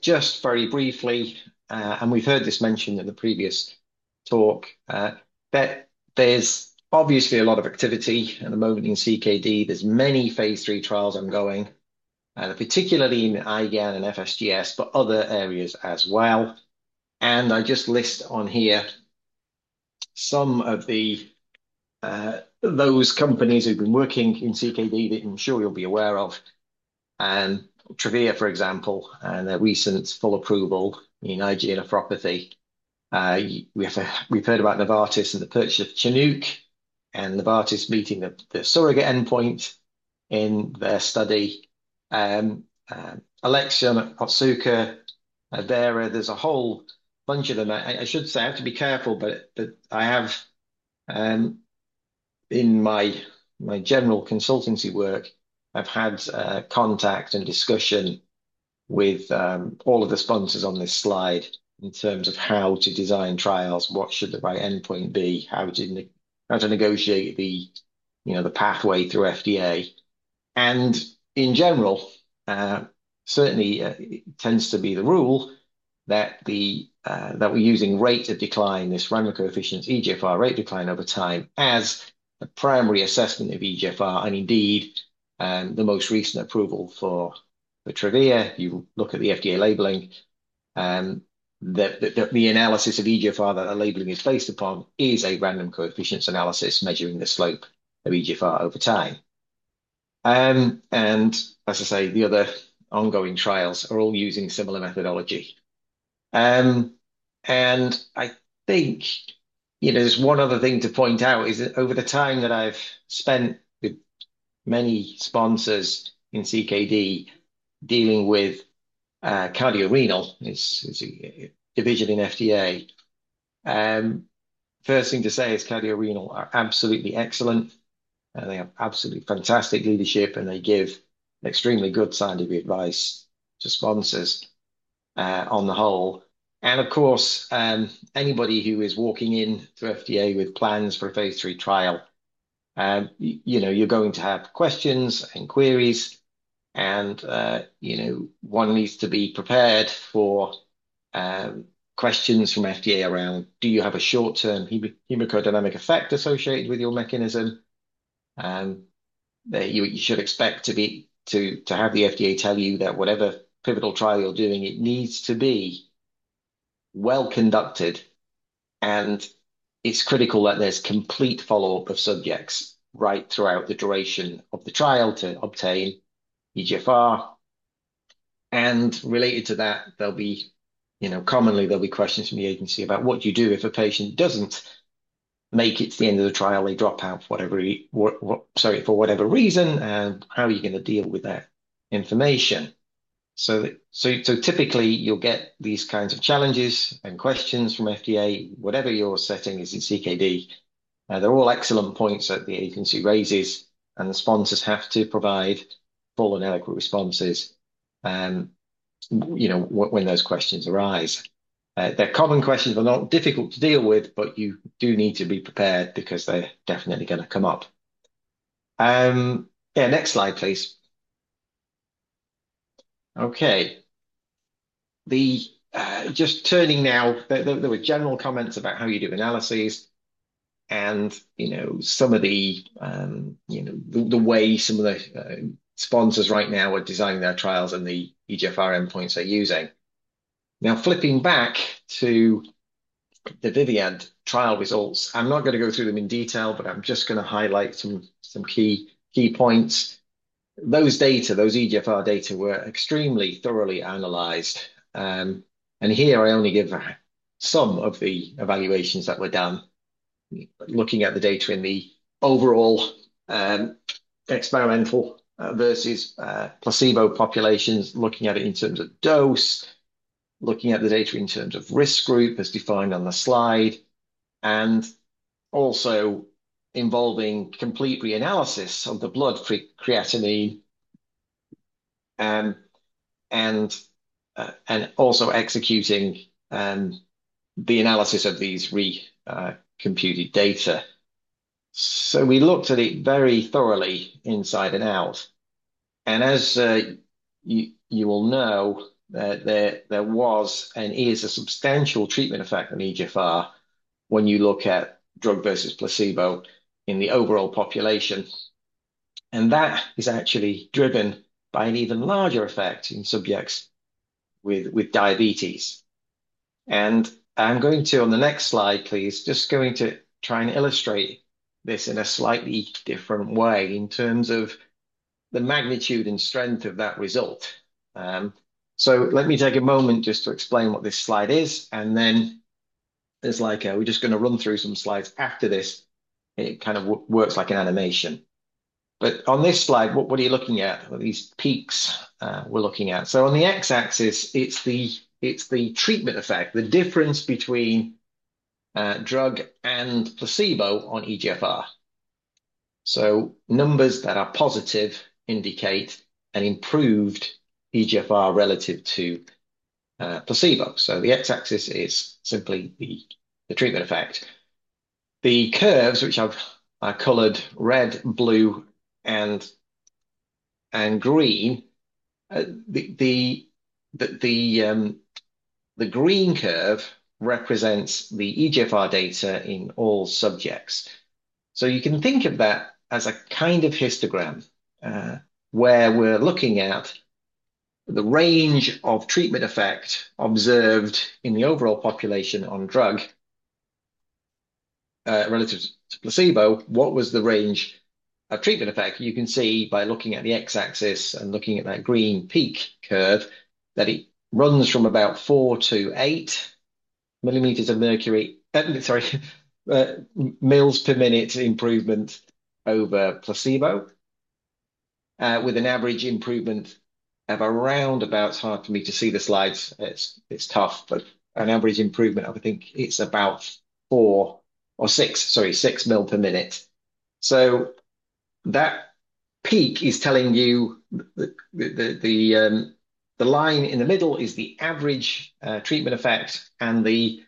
just very briefly, and we've heard this mentioned in the previous talk, that there's obviously a lot of activity at the moment in CKD. There's many phase III trials ongoing, particularly in IgAN and FSGS, but other areas as well. I just list on here some of the, those companies who've been working in CKD that I'm sure you'll be aware of. Travere, for example, and their recent full approval in IgA nephropathy. We have, we've heard about Novartis and the purchase of Chinook and Novartis meeting the surrogate endpoint in their study. Alexion, Otsuka, Vera, there's a whole bunch of them. I should say I have to be careful, but I have, in my general consultancy work, I've had contact and discussion with all of the sponsors on this slide in terms of how to design trials, what should the right endpoint be, how to negotiate, you know, the pathway through FDA. In general, certainly, it tends to be the rule that we're using rate of decline, this random coefficients, eGFR rate decline over time, as the primary assessment of eGFR. Indeed, the most recent approval for the Travere, you look at the FDA labeling, the analysis of eGFR that the labeling is based upon is a random coefficients analysis measuring the slope of eGFR over time. As I say, the other ongoing trials are all using similar methodology. I think, you know, there's one other thing to point out, is that over the time that I've spent with many sponsors in CKD dealing with cardiorenal, it's a division in FDA. First thing to say is cardiorenal are absolutely excellent, and they have absolutely fantastic leadership, and they give extremely good scientific advice to sponsors, on the whole. And of course, anybody who is walking in through FDA with plans for a phase III trial, you know, you're going to have questions and queries and, you know, one needs to be prepared for, questions from FDA around: Do you have a short-term hemodynamic effect associated with your mechanism? That you should expect to have the FDA tell you that whatever pivotal trial you're doing, it needs to be well conducted, and it's critical that there's complete follow-up of subjects right throughout the duration of the trial to obtain eGFR. Related to that, there'll be, you know, commonly there'll be questions from the agency about what you do if a patient doesn't make it to the end of the trial. They drop out for whatever reason, and how are you gonna deal with that information? Typically, you'll get these kinds of challenges and questions from FDA, whatever your setting is in CKD. They're all excellent points that the agency raises, and the sponsors have to provide full and adequate responses, you know, when those questions arise. They're common questions, but not difficult to deal with, but you do need to be prepared because they're definitely gonna come up. Yeah, next slide, please. Okay. Just turning now, there were general comments about how you do analyses and, you know, some of the, you know, the way some of the sponsors right now are designing their trials and the eGFR endpoints they're using. Now, flipping back to the VIVIAD trial results, I'm not gonna go through them in detail, but I'm just gonna highlight some key points. Those data, those eGFR data, were extremely thoroughly analyzed. And here I only give some of the evaluations that were done. Looking at the data in the overall experimental versus placebo populations. Looking at it in terms of dose, looking at the data in terms of risk group as defined on the slide, and also involving complete reanalysis of the blood creatinine, and also executing the analysis of these recomputed data. So we looked at it very thoroughly inside and out, and as you will know, there was and is a substantial treatment effect on eGFR when you look at drug versus placebo in the overall population, and that is actually driven by an even larger effect in subjects with diabetes. I'm going to, on the next slide, please, just going to try and illustrate this in a slightly different way in terms of the magnitude and strength of that result. Let me take a moment just to explain what this slide is, and then there's like a... We're just gonna run through some slides after this, and it kind of works like an animation. But on this slide, what are you looking at? These peaks, we're looking at. So on the X-axis, it's the treatment effect, the difference between drug and placebo on eGFR. So numbers that are positive indicate an improved eGFR relative to placebo. So the X-axis is simply the treatment effect. The curves, which I've colored red, blue, and green, the green curve represents the eGFR data in all subjects. So you can think of that as a kind of histogram, where we're looking at the range of treatment effect observed in the overall population on drug relative to placebo. What was the range of treatment effect? You can see by looking at the X-axis and looking at that green peak curve, that it runs from about four to eight millimeters of mercury. Sorry, mL per minute improvement over placebo, with an average improvement of around about. It's hard for me to see the slides. It's tough, but an average improvement, I would think it's about four or six, sorry, six mL per minute. So that peak is telling you the line in the middle is the average treatment effect, and the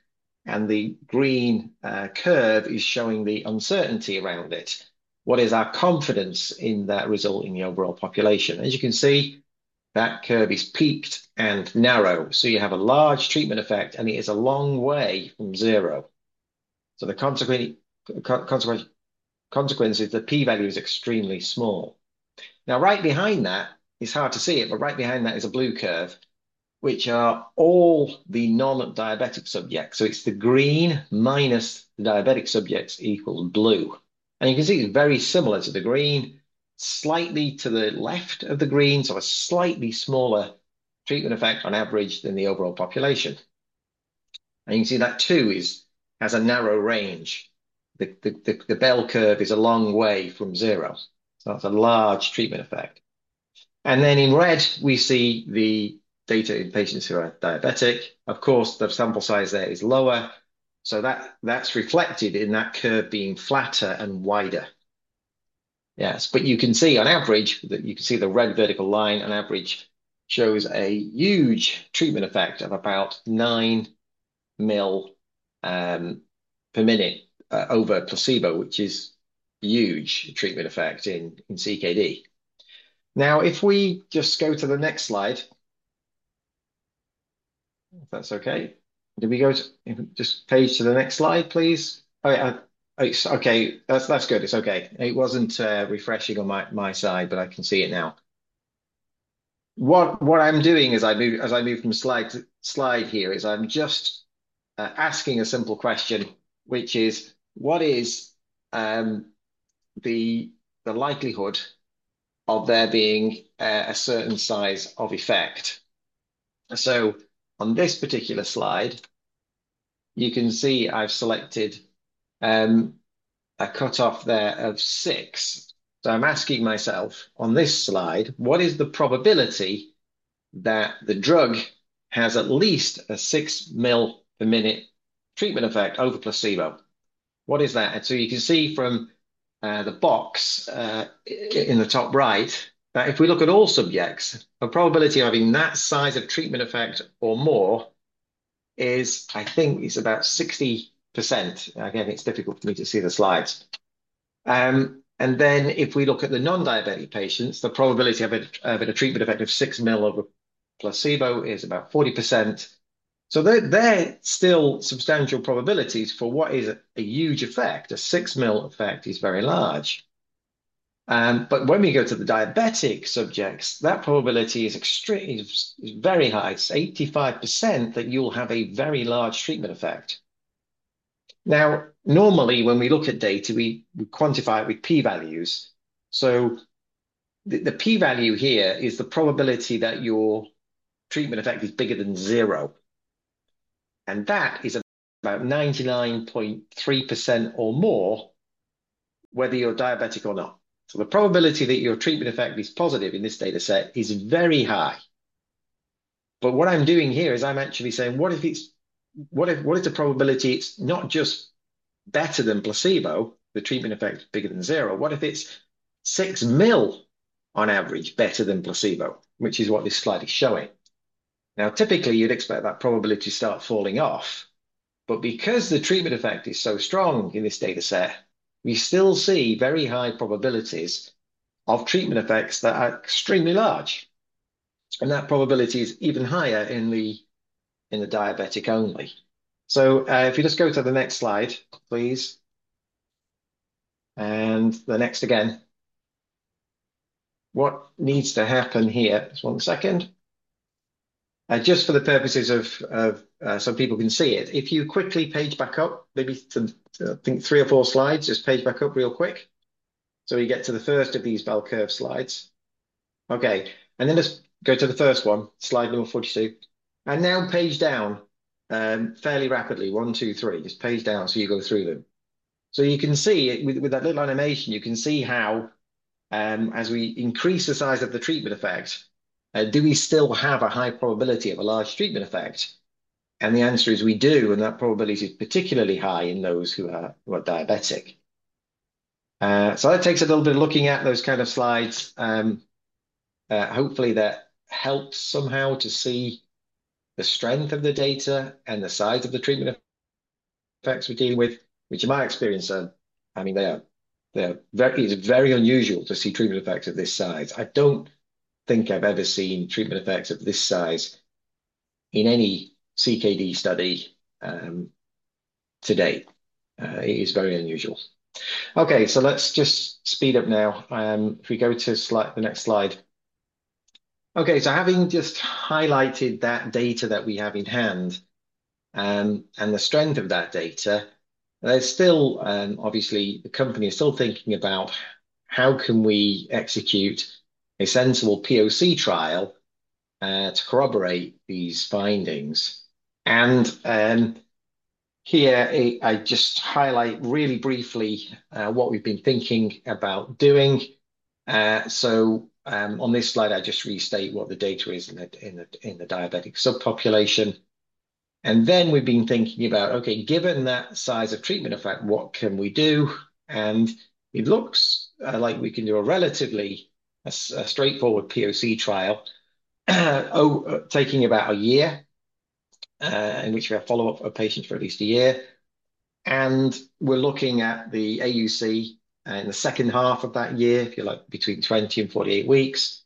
green curve is showing the uncertainty around it. What is our confidence in that result in the overall population? As you can see, that curve is peaked and narrow, so you have a large treatment effect, and it is a long way from zero. So the consequence is the P value is extremely small. Now, right behind that, it's hard to see it, but right behind that is a blue curve, which are all the non-diabetic subjects. So it's the green minus the diabetic subjects equals blue. And you can see it's very similar to the green, slightly to the left of the green, so a slightly smaller treatment effect on average than the overall population. And you can see that, too, has a narrow range. The bell curve is a long way from zero, so that's a large treatment effect. And then in red, we see the data in patients who are diabetic. Of course, the sample size there is lower, so that's reflected in that curve being flatter and wider. Yes, but you can see on average, that you can see the red vertical line on average shows a huge treatment effect of about nine mL per minute over placebo, which is huge treatment effect in CKD. Now, if we just go to the next slide, if that's okay. Can we go to just page to the next slide, please? I, I. Okay, that's, that's good. It's okay. It wasn't refreshing on my side, but I can see it now. What I'm doing as I move from slide to slide here is I'm just asking a simple question, which is: What is the likelihood of there being a certain size of effect? So on this particular slide, you can see I've selected a cutoff there of six. So I'm asking myself, on this slide, what is the probability that the drug has at least a six mL per minute treatment effect over placebo? What is that? You can see from the box in the top right, that if we look at all subjects, the probability of having that size of treatment effect or more is, I think it's about 60%. Again, it's difficult for me to see the slides. And then if we look at the non-diabetic patients, the probability of a treatment effect of six mL over placebo is about 40%. So they're still substantial probabilities for what is a huge effect. A six mL effect is very large. But when we go to the diabetic subjects, that probability is extreme is very high. It's 85% that you'll have a very large treatment effect. Now, normally, when we look at data, we quantify it with p-values. So the p-value here is the probability that your treatment effect is bigger than zero, and that is about 99.3% or more, whether you're diabetic or not. So the probability that your treatment effect is positive in this dataset is very high. But what I'm doing here is I'm actually saying, what if it's... what if, what is the probability it's not just better than placebo, the treatment effect is bigger than zero? What if it's six mL on average better than placebo, which is what this slide is showing. Now, typically, you'd expect that probability to start falling off, but because the treatment effect is so strong in this dataset, we still see very high probabilities of treatment effects that are extremely large, and that probability is even higher in the diabetic only. So, if you just go to the next slide, please. And the next again. What needs to happen here... Just one second. Just for the purposes of so people can see it, if you quickly page back up, maybe to, I think, three or four slides, just page back up real quick. So we get to the first of these bell curve slides. Okay, and then just go to the first one, slide number 42, and now page down fairly rapidly. One, two, three. Just page down, so you go through them. So you can see with that little animation, you can see how as we increase the size of the treatment effect, do we still have a high probability of a large treatment effect? And the answer is we do, and that probability is particularly high in those who are diabetic. So that takes a little bit of looking at those kind of slides. Hopefully that helps somehow to see the strength of the data and the size of the treatment effects we're dealing with, which in my experience, are, I mean, they are, they're very. It's very unusual to see treatment effects of this size. I don't think I've ever seen treatment effects of this size in any CKD study to date. It is very unusual. Okay, so let's just speed up now. If we go to slide, the next slide. Okay, so having just highlighted that data that we have in hand, and the strength of that data, there's still, obviously, the company is still thinking about how can we execute a sensible POC trial, to corroborate these findings. And here, I just highlight really briefly, what we've been thinking about doing. So, on this slide, I just restate what the data is in the diabetic subpopulation. And then we've been thinking about, okay, given that size of treatment effect, what can we do? And it looks like we can do a relatively straightforward POC trial, taking about a year, in which we have follow-up of patients for at least a year. We're looking at the AUC in the second half of that year, if you like, between 20 and 48 weeks.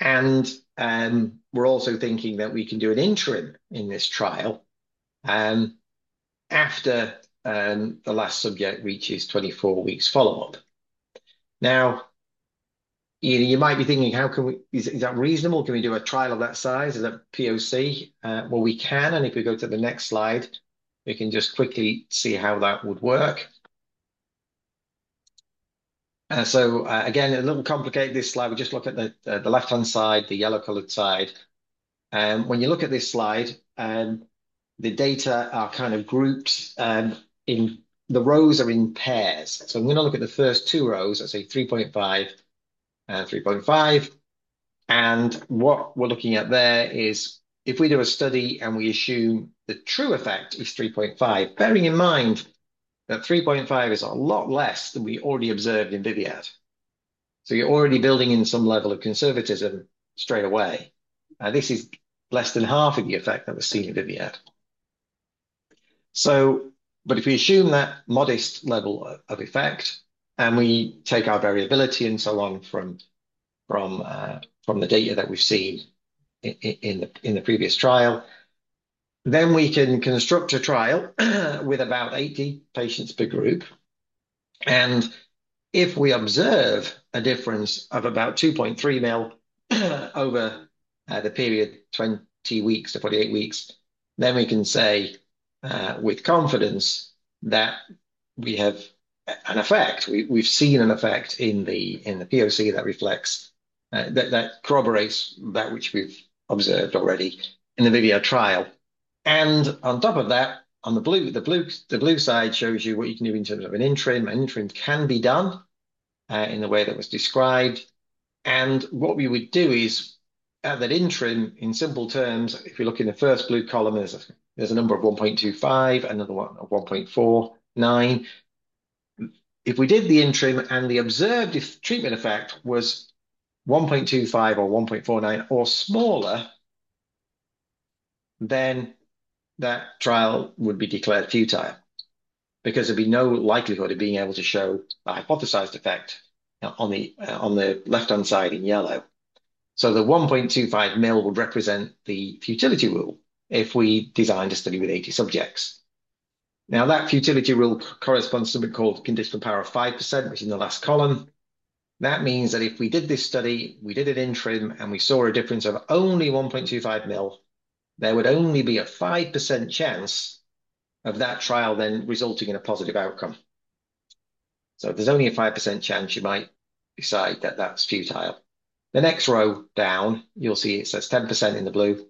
We're also thinking that we can do an interim in this trial after the last subject reaches 24 weeks follow-up. You might be thinking, how can we? Is that reasonable? Can we do a trial of that size as a POC? Well, we can, and if we go to the next slide, we can just quickly see how that would work. Again, a little complicated, this slide. We just look at the left-hand side, the yellow-colored side. When you look at this slide, the data are kind of grouped. The rows are in pairs. So I'm gonna look at the first two rows, let's say 3.5 and 3.5, and what we're looking at there is, if we do a study, and we assume the true effect is 3.5, bearing in mind that 3.5 is a lot less than we already observed in VIVIAD. So you're already building in some level of conservatism straight away. Now, this is less than half of the effect that was seen in VIVIAD. So, but if we assume that modest level of effect, and we take our variability, and so on, from the data that we've seen in the previous trial, then we can construct a trial with about 80 patients per group. If we observe a difference of about 2.3 mL over the period 20 weeks to 48 weeks, then we can say with confidence that we have an effect. We've seen an effect in the POC that reflects that corroborates that which we've observed already in the VIVIAD trial. On top of that, on the blue side shows you what you can do in terms of an interim. An interim can be done in the way that was described. What we would do is, at that interim, in simple terms, if you look in the first blue column, there's a number of 1.25, another one of 1.49. If we did the interim, and the observed treatment effect was 1.25 or 1.49 or smaller, then that trial would be declared futile because there'd be no likelihood of being able to show a hypothesized effect on the left-hand side in yellow. So the 1.25 mL would represent the futility rule if we designed a study with eighty subjects. Now, that futility rule corresponds to something called conditional power of 5%, which is in the last column. That means that if we did this study, we did an interim, and we saw a difference of only 1.25 mL, there would only be a 5% chance of that trial then resulting in a positive outcome. So if there's only a 5% chance, you might decide that that's futile. The next row down, you'll see it says 10% in the blue.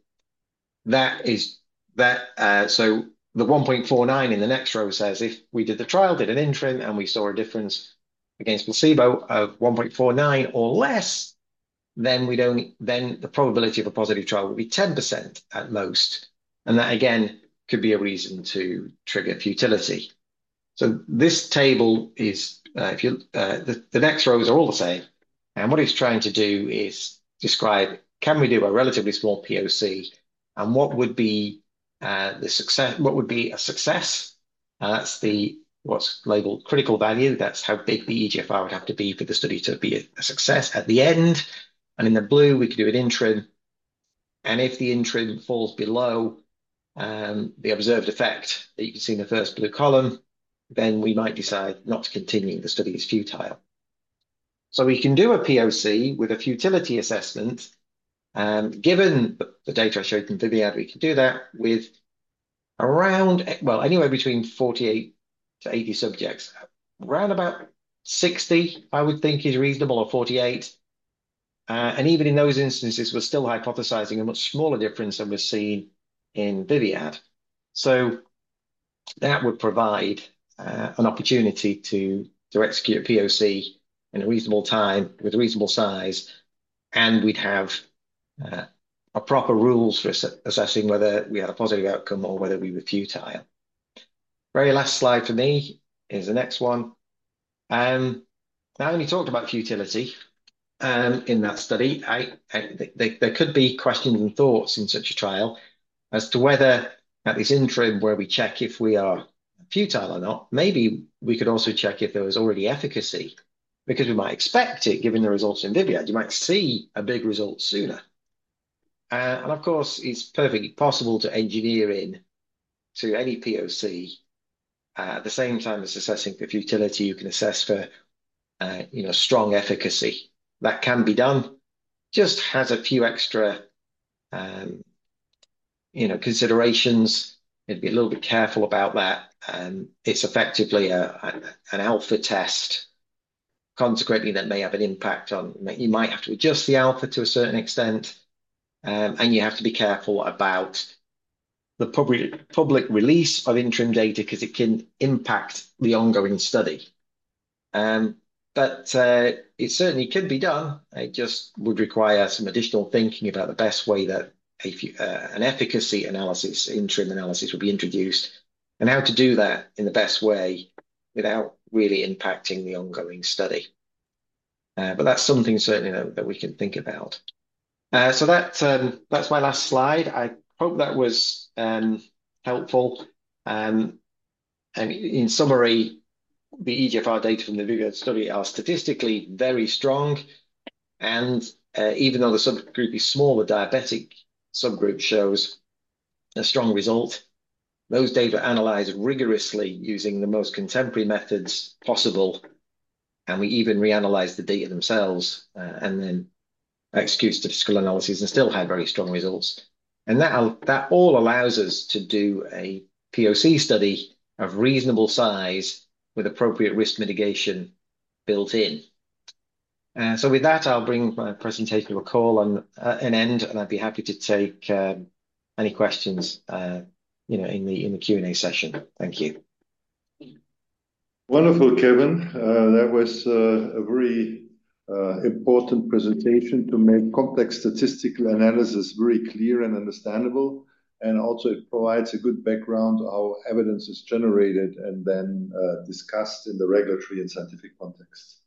That is... That, so the 1.49 in the next row says, if we did the trial, did an interim, and we saw a difference against placebo of 1.49 or less, then we'd only then the probability of a positive trial would be 10% at most, and that, again, could be a reason to trigger futility. So this table is, if you... The, the next rows are all the same, and what it's trying to do is describe, can we do a relatively small POC, and what would be, the success what would be a success? That's the, what's labeled critical value. That's how big the eGFR would have to be for the study to be a, a success at the end. And in the blue, we could do an interim, and if the interim falls below, the observed effect that you can see in the first blue column, then we might decide not to continue. The study is futile. So we can do a POC with a futility assessment, given the data I showed you from VIVIAD, we can do that with around, well, anywhere between forty-eight to eighty subjects. Around about 60, I would think is reasonable, or forty-eight. And even in those instances, we're still hypothesizing a much smaller difference than we're seeing in VIVIAD. So that would provide an opportunity to execute a POC in a reasonable time, with a reasonable size, and we'd have a proper rules for assessing whether we had a positive outcome or whether we were futile. Very last slide for me is the next one. I only talked about futility in that study. There could be questions and thoughts in such a trial as to whether at this interim, where we check if we are futile or not, maybe we could also check if there was already efficacy, because we might expect it, given the results in VIVIAD. You might see a big result sooner, and of course, it's perfectly possible to engineer in to any POC at the same time as assessing for futility, you can assess for, you know, strong efficacy. That can be done, it just has a few extra, you know, considerations. You'd be a little bit careful about that. It's effectively an alpha test. Consequently, that may have an impact on... You might have to adjust the alpha to a certain extent, and you have to be careful about the public release of interim data, 'cause it can impact the ongoing study, but it certainly could be done. It just would require some additional thinking about the best way that an efficacy analysis, interim analysis, would be introduced, and how to do that in the best way without really impacting the ongoing study, but that's something certainly that we can think about, so that's my last slide. I hope that was helpful, and in summary, the eGFR data from the VIVIAD study are statistically very strong, and even though the subject group is small, the diabetic subgroup shows a strong result. Those data analyzed rigorously using the most contemporary methods possible, and we even reanalyzed the data themselves, and then executed statistical analyses and still had very strong results. And that all allows us to do a POC study of reasonable size with appropriate risk mitigation built in. So with that, I'll bring my presentation to a close, and I'd be happy to take any questions, you know, in the Q&A session. Thank you. Wonderful, Kevin. That was a very important presentation to make complex statistical analysis very clear and understandable, and also it provides a good background how evidence is generated and then discussed in the regulatory and scientific context.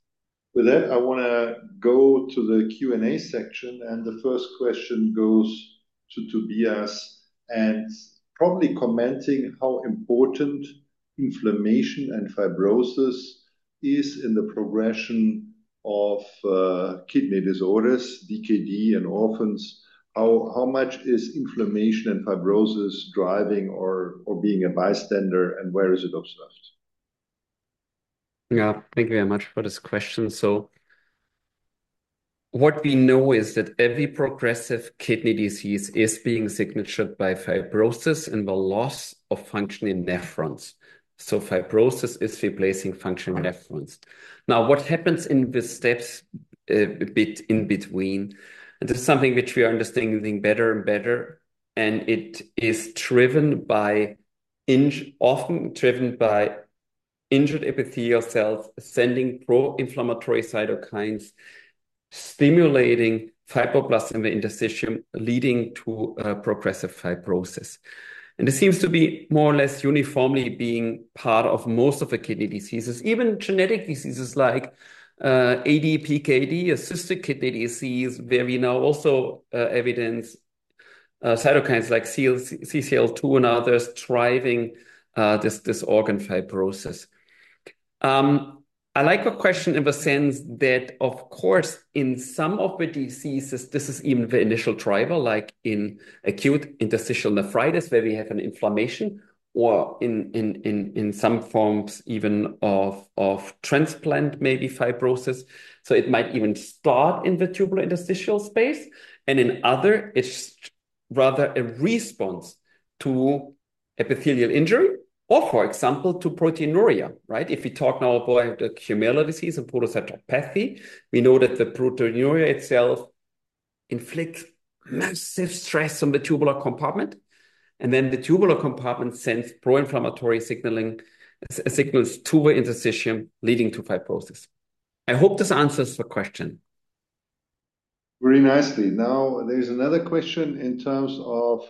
With that, I wanna go to the Q&A section, and the first question goes to Tobias, and probably commenting how important inflammation and fibrosis is in the progression of kidney disorders, DKD and orphans. How much is inflammation and fibrosis driving or being a bystander, and where is it observed? Yeah, thank you very much for this question. So what we know is that every progressive kidney disease is being characterized by fibrosis and the loss of function in nephrons. So fibrosis is replacing functioning nephrons. Now, what happens in the steps a bit in between, and this is something which we are understanding better and better, and it is driven by often driven by injured epithelial cells, sending pro-inflammatory cytokines, stimulating fibroblasts in the interstitium, leading to progressive fibrosis. And this seems to be more or less uniformly being part of most of the kidney diseases, even genetic diseases like ADPKD, or cystic kidney disease, where we now also evidence cytokines like CCL2 and others driving this organ fibrosis. I like your question in the sense that of course, in some of the diseases, this is even the initial driver, like in acute interstitial nephritis, where we have an inflammation or in some forms even of transplant, maybe fibrosis. So it might even start in the tubular interstitial space, and in other, it's rather a response to epithelial injury or, for example, to proteinuria, right? If we talk now about the glomerular disease and podocyto, we know that the proteinuria itself inflicts massive stress on the tubular compartment, and then the tubular compartment sends pro-inflammatory signaling, signals to the interstitium, leading to fibrosis. I hope this answers the question. Very nicely. Now, there is another question in terms of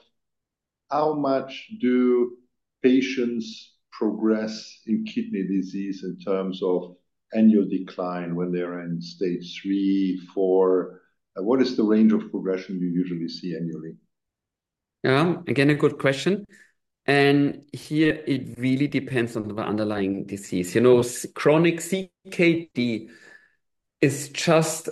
how much do patients progress in kidney disease in terms of annual decline when they're in stage three, four? What is the range of progression you usually see annually? Yeah, again, a good question, and here it really depends on the underlying disease. You know, chronic CKD is just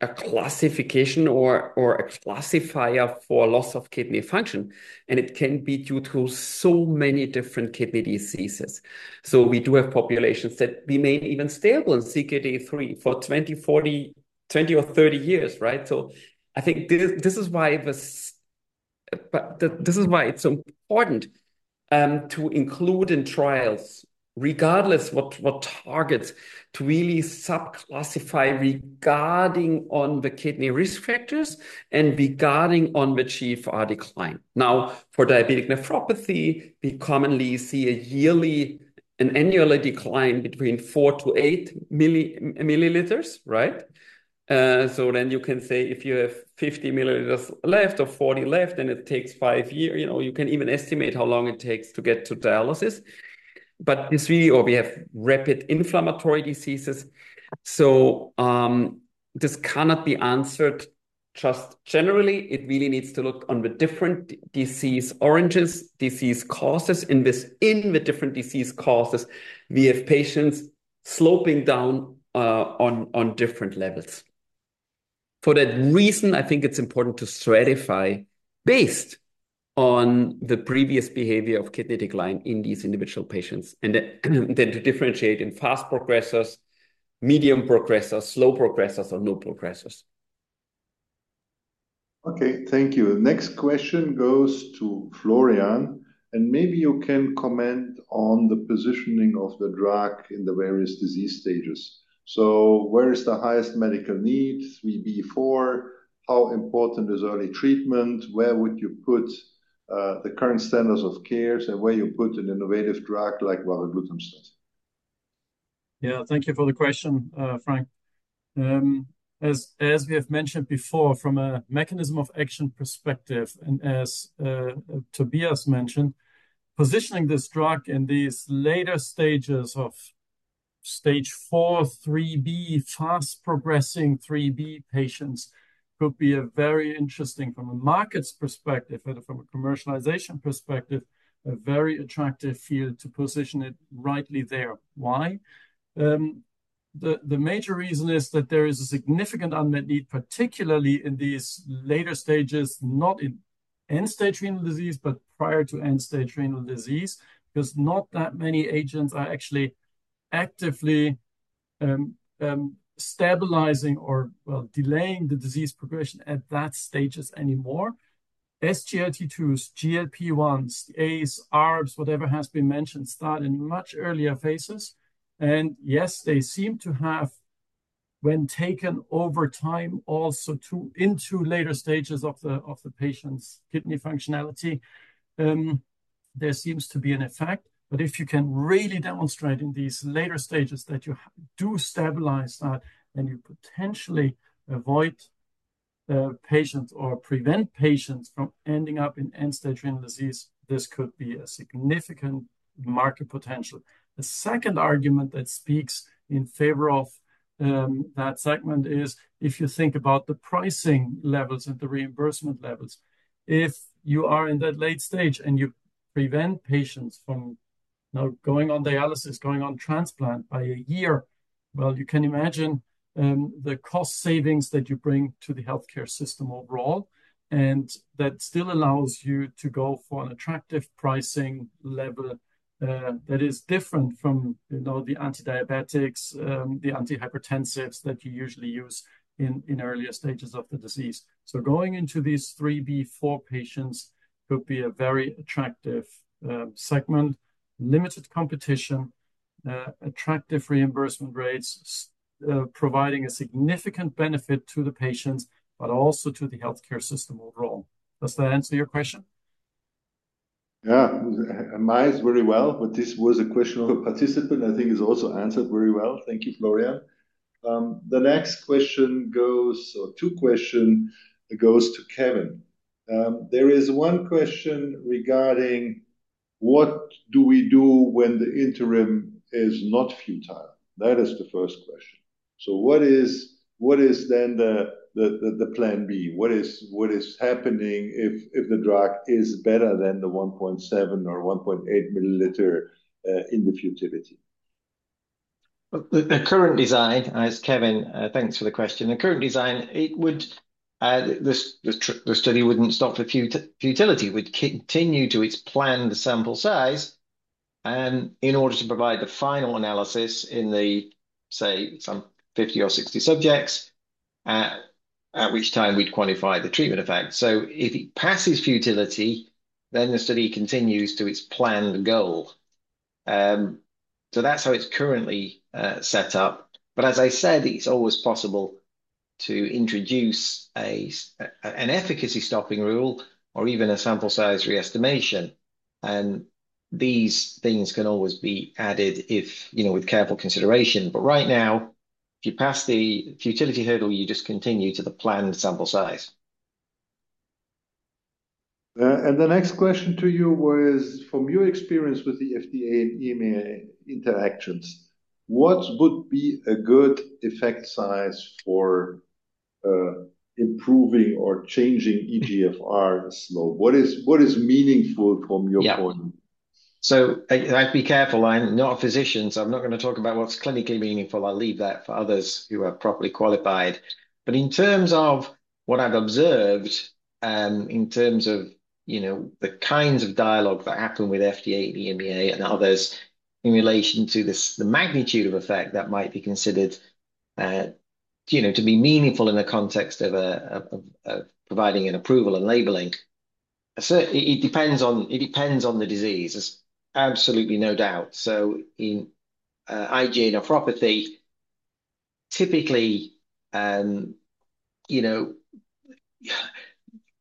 a classification or a classifier for loss of kidney function, and it can be due to so many different kidney diseases. So we do have populations that remain even stable in CKD three for twenty, forty, twenty or thirty years, right? So I think this is why it's so important to include in trials, regardless what targets, to really subclassify regarding on the kidney risk factors and regarding on the GFR decline. Now, for diabetic nephropathy, we commonly see an annual decline between 4 mL to 8 mL, right? So then you can say if you have 50 mL left or 40 left, and it takes five years, you know, you can even estimate how long it takes to get to dialysis. But it's really or we have rapid inflammatory diseases. This cannot be answered just generally. It really needs to look on the different disease origins, disease causes. In the different disease causes, we have patients sloping down on different levels. For that reason, I think it's important to stratify based on the previous behavior of kidney decline in these individual patients, and then to differentiate in fast progressors, medium progressors, slow progressors or no progressors. Okay. Thank you. Next question goes to Florian, and maybe you can comment on the positioning of the drug in the various disease stages. So where is the highest medical need, 3B, 4? How important is early treatment? Where would you put the current standards of care, and where you put an innovative drug like Varoglutamstat? Yeah, thank you for the question, Frank. As we have mentioned before, from a mechanism of action perspective, and as Tobias mentioned, positioning this drug in these later stages of stage 4, 3B, fast-progressing 3B patients, could be a very interesting from a markets perspective and from a commercialization perspective, a very attractive field to position it rightly there. Why? The major reason is that there is a significant unmet need, particularly in these later stages, not in end-stage renal disease, but prior to end-stage renal disease, 'cause not that many agents are actually actively stabilizing or, well, delaying the disease progression at that stages anymore. SGLT2s, GLP-1s, ACE, ARBs, whatever has been mentioned, start in much earlier phases. Yes, they seem to have, when taken over time, also to, into later stages of the patient's kidney functionality, there seems to be an effect. But if you can really demonstrate in these later stages that you do stabilize that, then you potentially avoid the patients or prevent patients from ending up in end-stage renal disease. This could be a significant market potential. The second argument that speaks in favor of that segment is, if you think about the pricing levels and the reimbursement levels, if you are in that late stage, and you prevent patients from now going on dialysis, going on transplant by a year, well, you can imagine the cost savings that you bring to the healthcare system overall, and that still allows you to go for an attractive pricing level that is different from, you know, the antidiabetics, the antihypertensives that you usually use in earlier stages of the disease, so going into these 3B, four patients could be a very attractive segment. Limited competition, attractive reimbursement rates, providing a significant benefit to the patients, but also to the healthcare system overall. Does that answer your question? Yeah. And mine is very well, but this was a question of a participant, I think is also answered very well. Thank you, Florian. The next question goes or two questions go to Kevin. There is one question regarding: what do we do when the interim is not futile? That is the first question. So what is then the plan B? What is happening if the drug is better than the 1.7 mL or 1.8 mL in the futility? The current design, as Kevin, thanks for the question. The current design, it would, the study wouldn't stop for futility. It would continue to its planned sample size, and in order to provide the final analysis in the, say, some 50 or 60 subjects, at which time we'd quantify the treatment effect. So if it passes futility, then the study continues to its planned goal. So that's how it's currently set up. But as I said, it's always possible to introduce an efficacy stopping rule or even a sample size re-estimation. And these things can always be added if, you know, with careful consideration. But right now, if you pass the futility hurdle, you just continue to the planned sample size. And the next question to you was, from your experience with the FDA and EMA interactions, what would be a good effect size for improving or changing eGFR slope? What is meaningful from your point of view? Yeah. So I, I'd be careful. I'm not a physician, so I'm not gonna talk about what's clinically meaningful. I'll leave that for others who are properly qualified. But in terms of what I've observed, in terms of, you know, the kinds of dialogue that happen with FDA, the EMA and others in relation to this, the magnitude of effect that might be considered, you know, to be meaningful in the context of a, of, of providing an approval and labeling. So it depends on, it depends on the disease. There's absolutely no doubt. So in IgA nephropathy, typically, you know,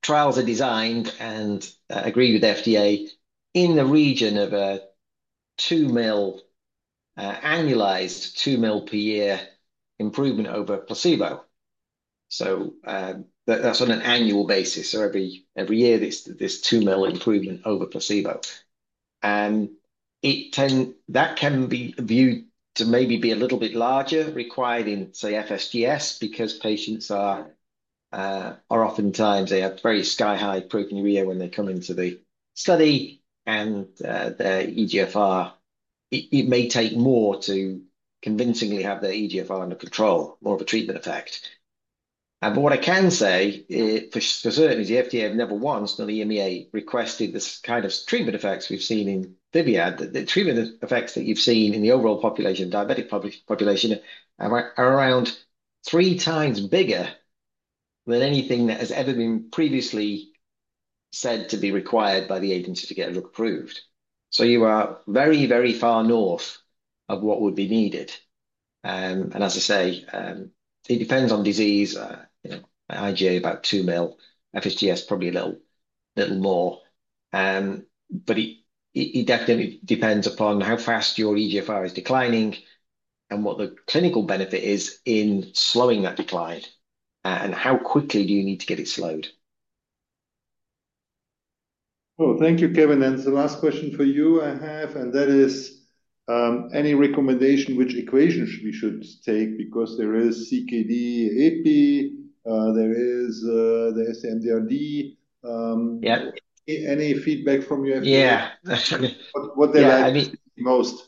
trials are designed and agreed with FDA in the region of a 2 mL annualized 2 mL per year improvement over placebo. So that's on an annual basis, so every, every year, there's, there's 2 mL improvement over placebo. That can be viewed to maybe be a little bit larger, required in, say, FSGS, because patients are oftentimes they have very sky-high proteinuria when they come into the study and their eGFR may take more to convincingly have their eGFR under control, more of a treatment effect. But what I can say, for certainly, the FDA have never once, nor the EMA, requested this kind of treatment effects we've seen in VIVIAD. The treatment effects that you've seen in the overall population, diabetic population, are around three times bigger than anything that has ever been previously said to be required by the agency to get it approved. So you are very, very far north of what would be needed. And as I say, it depends on disease. You know, IgAN, about two million, FSGS, probably a little more. But it definitely depends upon how fast your eGFR is declining and what the clinical benefit is in slowing that decline, and how quickly do you need to get it slowed? Thank you, Kevin. The last question for you I have, and that is, any recommendation which equation we should take? Because there is CKD-EPI, there is the MDRD. Yeah. Any feedback from you? Yeah, definitely. What they like the most?...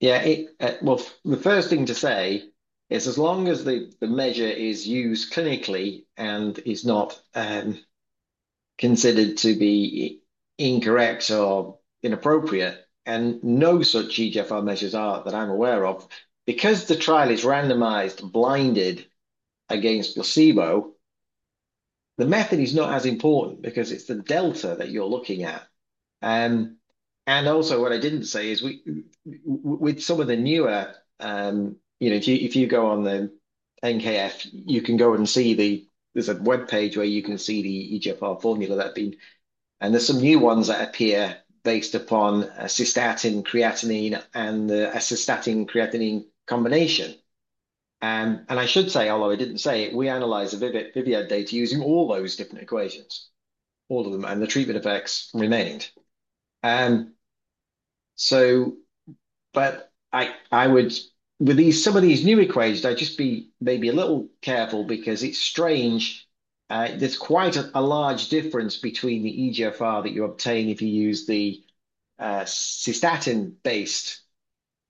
Yeah, it, well, the first thing to say is as long as the, the measure is used clinically and is not considered to be incorrect or inappropriate, and no such eGFR measures are that I'm aware of, because the trial is randomized, blinded against placebo, the method is not as important because it's the delta that you're looking at. And also what I didn't say is we, with some of the newer, you know, if you, if you go on the NKF, you can go and see there's a webpage where you can see the eGFR formula that being. And there's some new ones that appear based upon cystatin, creatinine, and a cystatin-creatinine combination. And I should say, although I didn't say it, we analyze the VIVIAD, VIVIAD data using all those different equations, all of them, and the treatment effects remained. So but I would with these, some of these new equations, I'd just be maybe a little careful because it's strange, there's quite a large difference between the eGFR that you obtain if you use the cystatin-based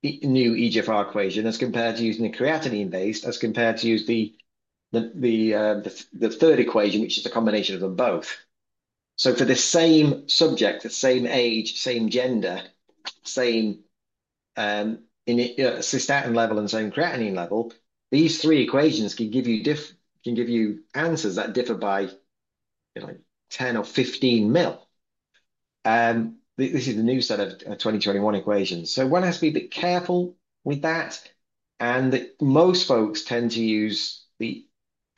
new eGFR equation, as compared to using the creatinine-based, as compared to use the third equation, which is a combination of them both. So for the same subject, the same age, same gender, same cystatin level and same creatinine level, these three equations can give you answers that differ by, you know, 10 or 15 mL. This is the new set of twenty twenty-one equations. So one has to be a bit careful with that, and most folks tend to use the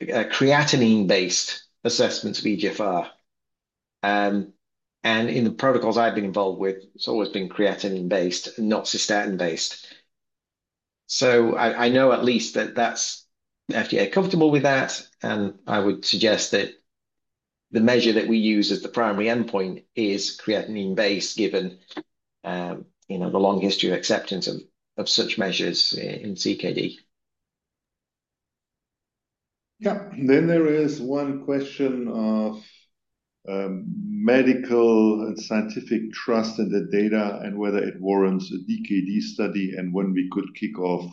creatinine-based assessments of eGFR. And in the protocols I've been involved with, it's always been creatinine-based, not cystatin-based. So I know at least that that's FDA comfortable with that, and I would suggest that the measure that we use as the primary endpoint is creatinine-based, given, you know, the long history of acceptance of such measures in CKD. Yeah. Then there is one question of, medical and scientific trust in the data and whether it warrants a DKD study and when we could kick off,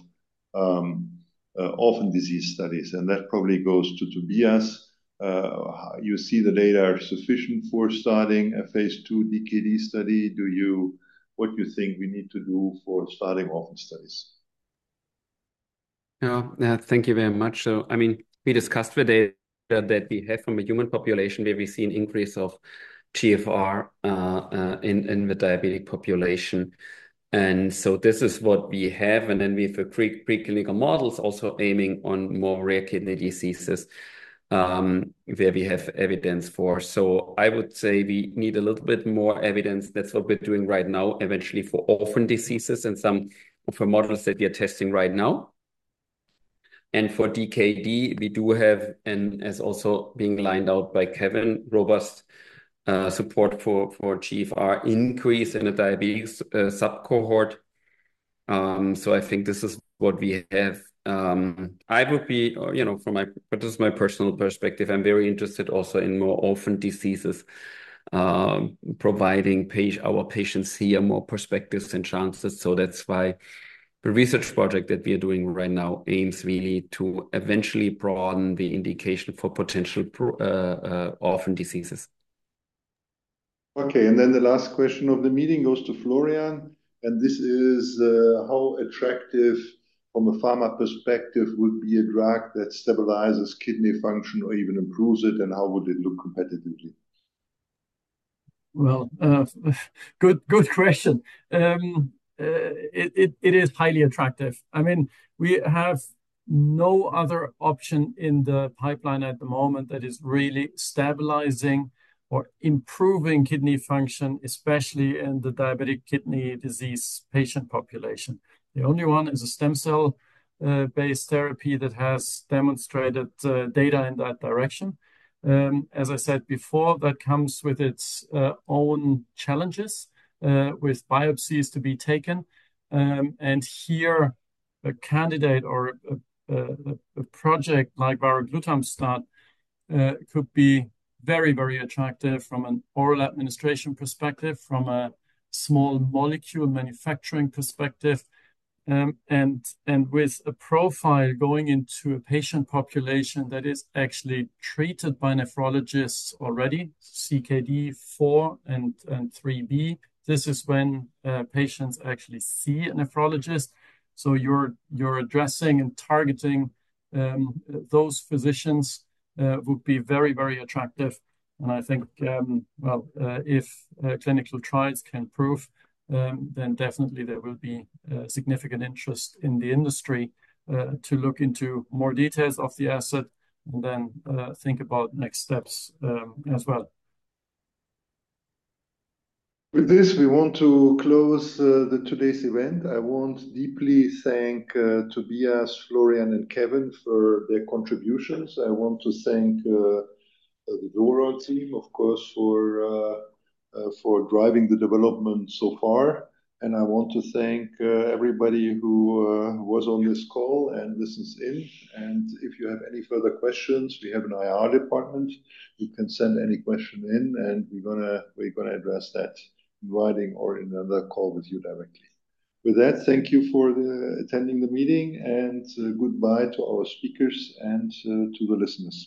orphan disease studies, and that probably goes to Tobias. You see the data are sufficient for starting a phase II DKD study. What do you think we need to do for starting orphan studies? Yeah. Yeah, thank you very much. So, I mean, we discussed the data that we have from a human population, where we see an increase of GFR in the diabetic population. And so this is what we have, and then we have preclinical models also aiming on more rare kidney diseases, where we have evidence for. So I would say we need a little bit more evidence. That's what we're doing right now, eventually for orphan diseases and some for models that we are testing right now. And for DKD, we do have, and as also being laid out by Kevin, robust support for GFR increase in the diabetes sub cohort. So I think this is what we have. You know, from my-- but this is my personal perspective. I'm very interested also in more orphan diseases, providing our patients here more perspectives and chances. So that's why the research project that we are doing right now aims really to eventually broaden the indication for potential orphan diseases. Okay, and then the last question of the meeting goes to Florian, and this is: How attractive from a pharma perspective would be a drug that stabilizes kidney function or even improves it, and how would it look competitively? Well, good question. It is highly attractive. I mean, we have no other option in the pipeline at the moment that is really stabilizing or improving kidney function, especially in the diabetic kidney disease patient population. The only one is a stem cell based therapy that has demonstrated data in that direction. As I said before, that comes with its own challenges with biopsies to be taken. And here, a candidate or a project like Varoglutamstat could be very, very attractive from an oral administration perspective, from a small molecule manufacturing perspective, and with a profile going into a patient population that is actually treated by nephrologists already, CKD4 and 3B. This is when patients actually see a nephrologist. So, you're addressing and targeting those physicians would be very, very attractive. And I think, well, if clinical trials can prove, then definitely there will be significant interest in the industry to look into more details of the asset and then think about next steps as well. With this, we want to close today's event. I want to deeply thank Tobias, Florian, and Kevin for their contributions. I want to thank the neuro team, of course, for driving the development so far. I want to thank everybody who was on this call and listens in. If you have any further questions, we have an IR department. You can send any question in, and we're gonna address that in writing or another call with you directly. With that, thank you for attending the meeting, and goodbye to our speakers and to the listeners.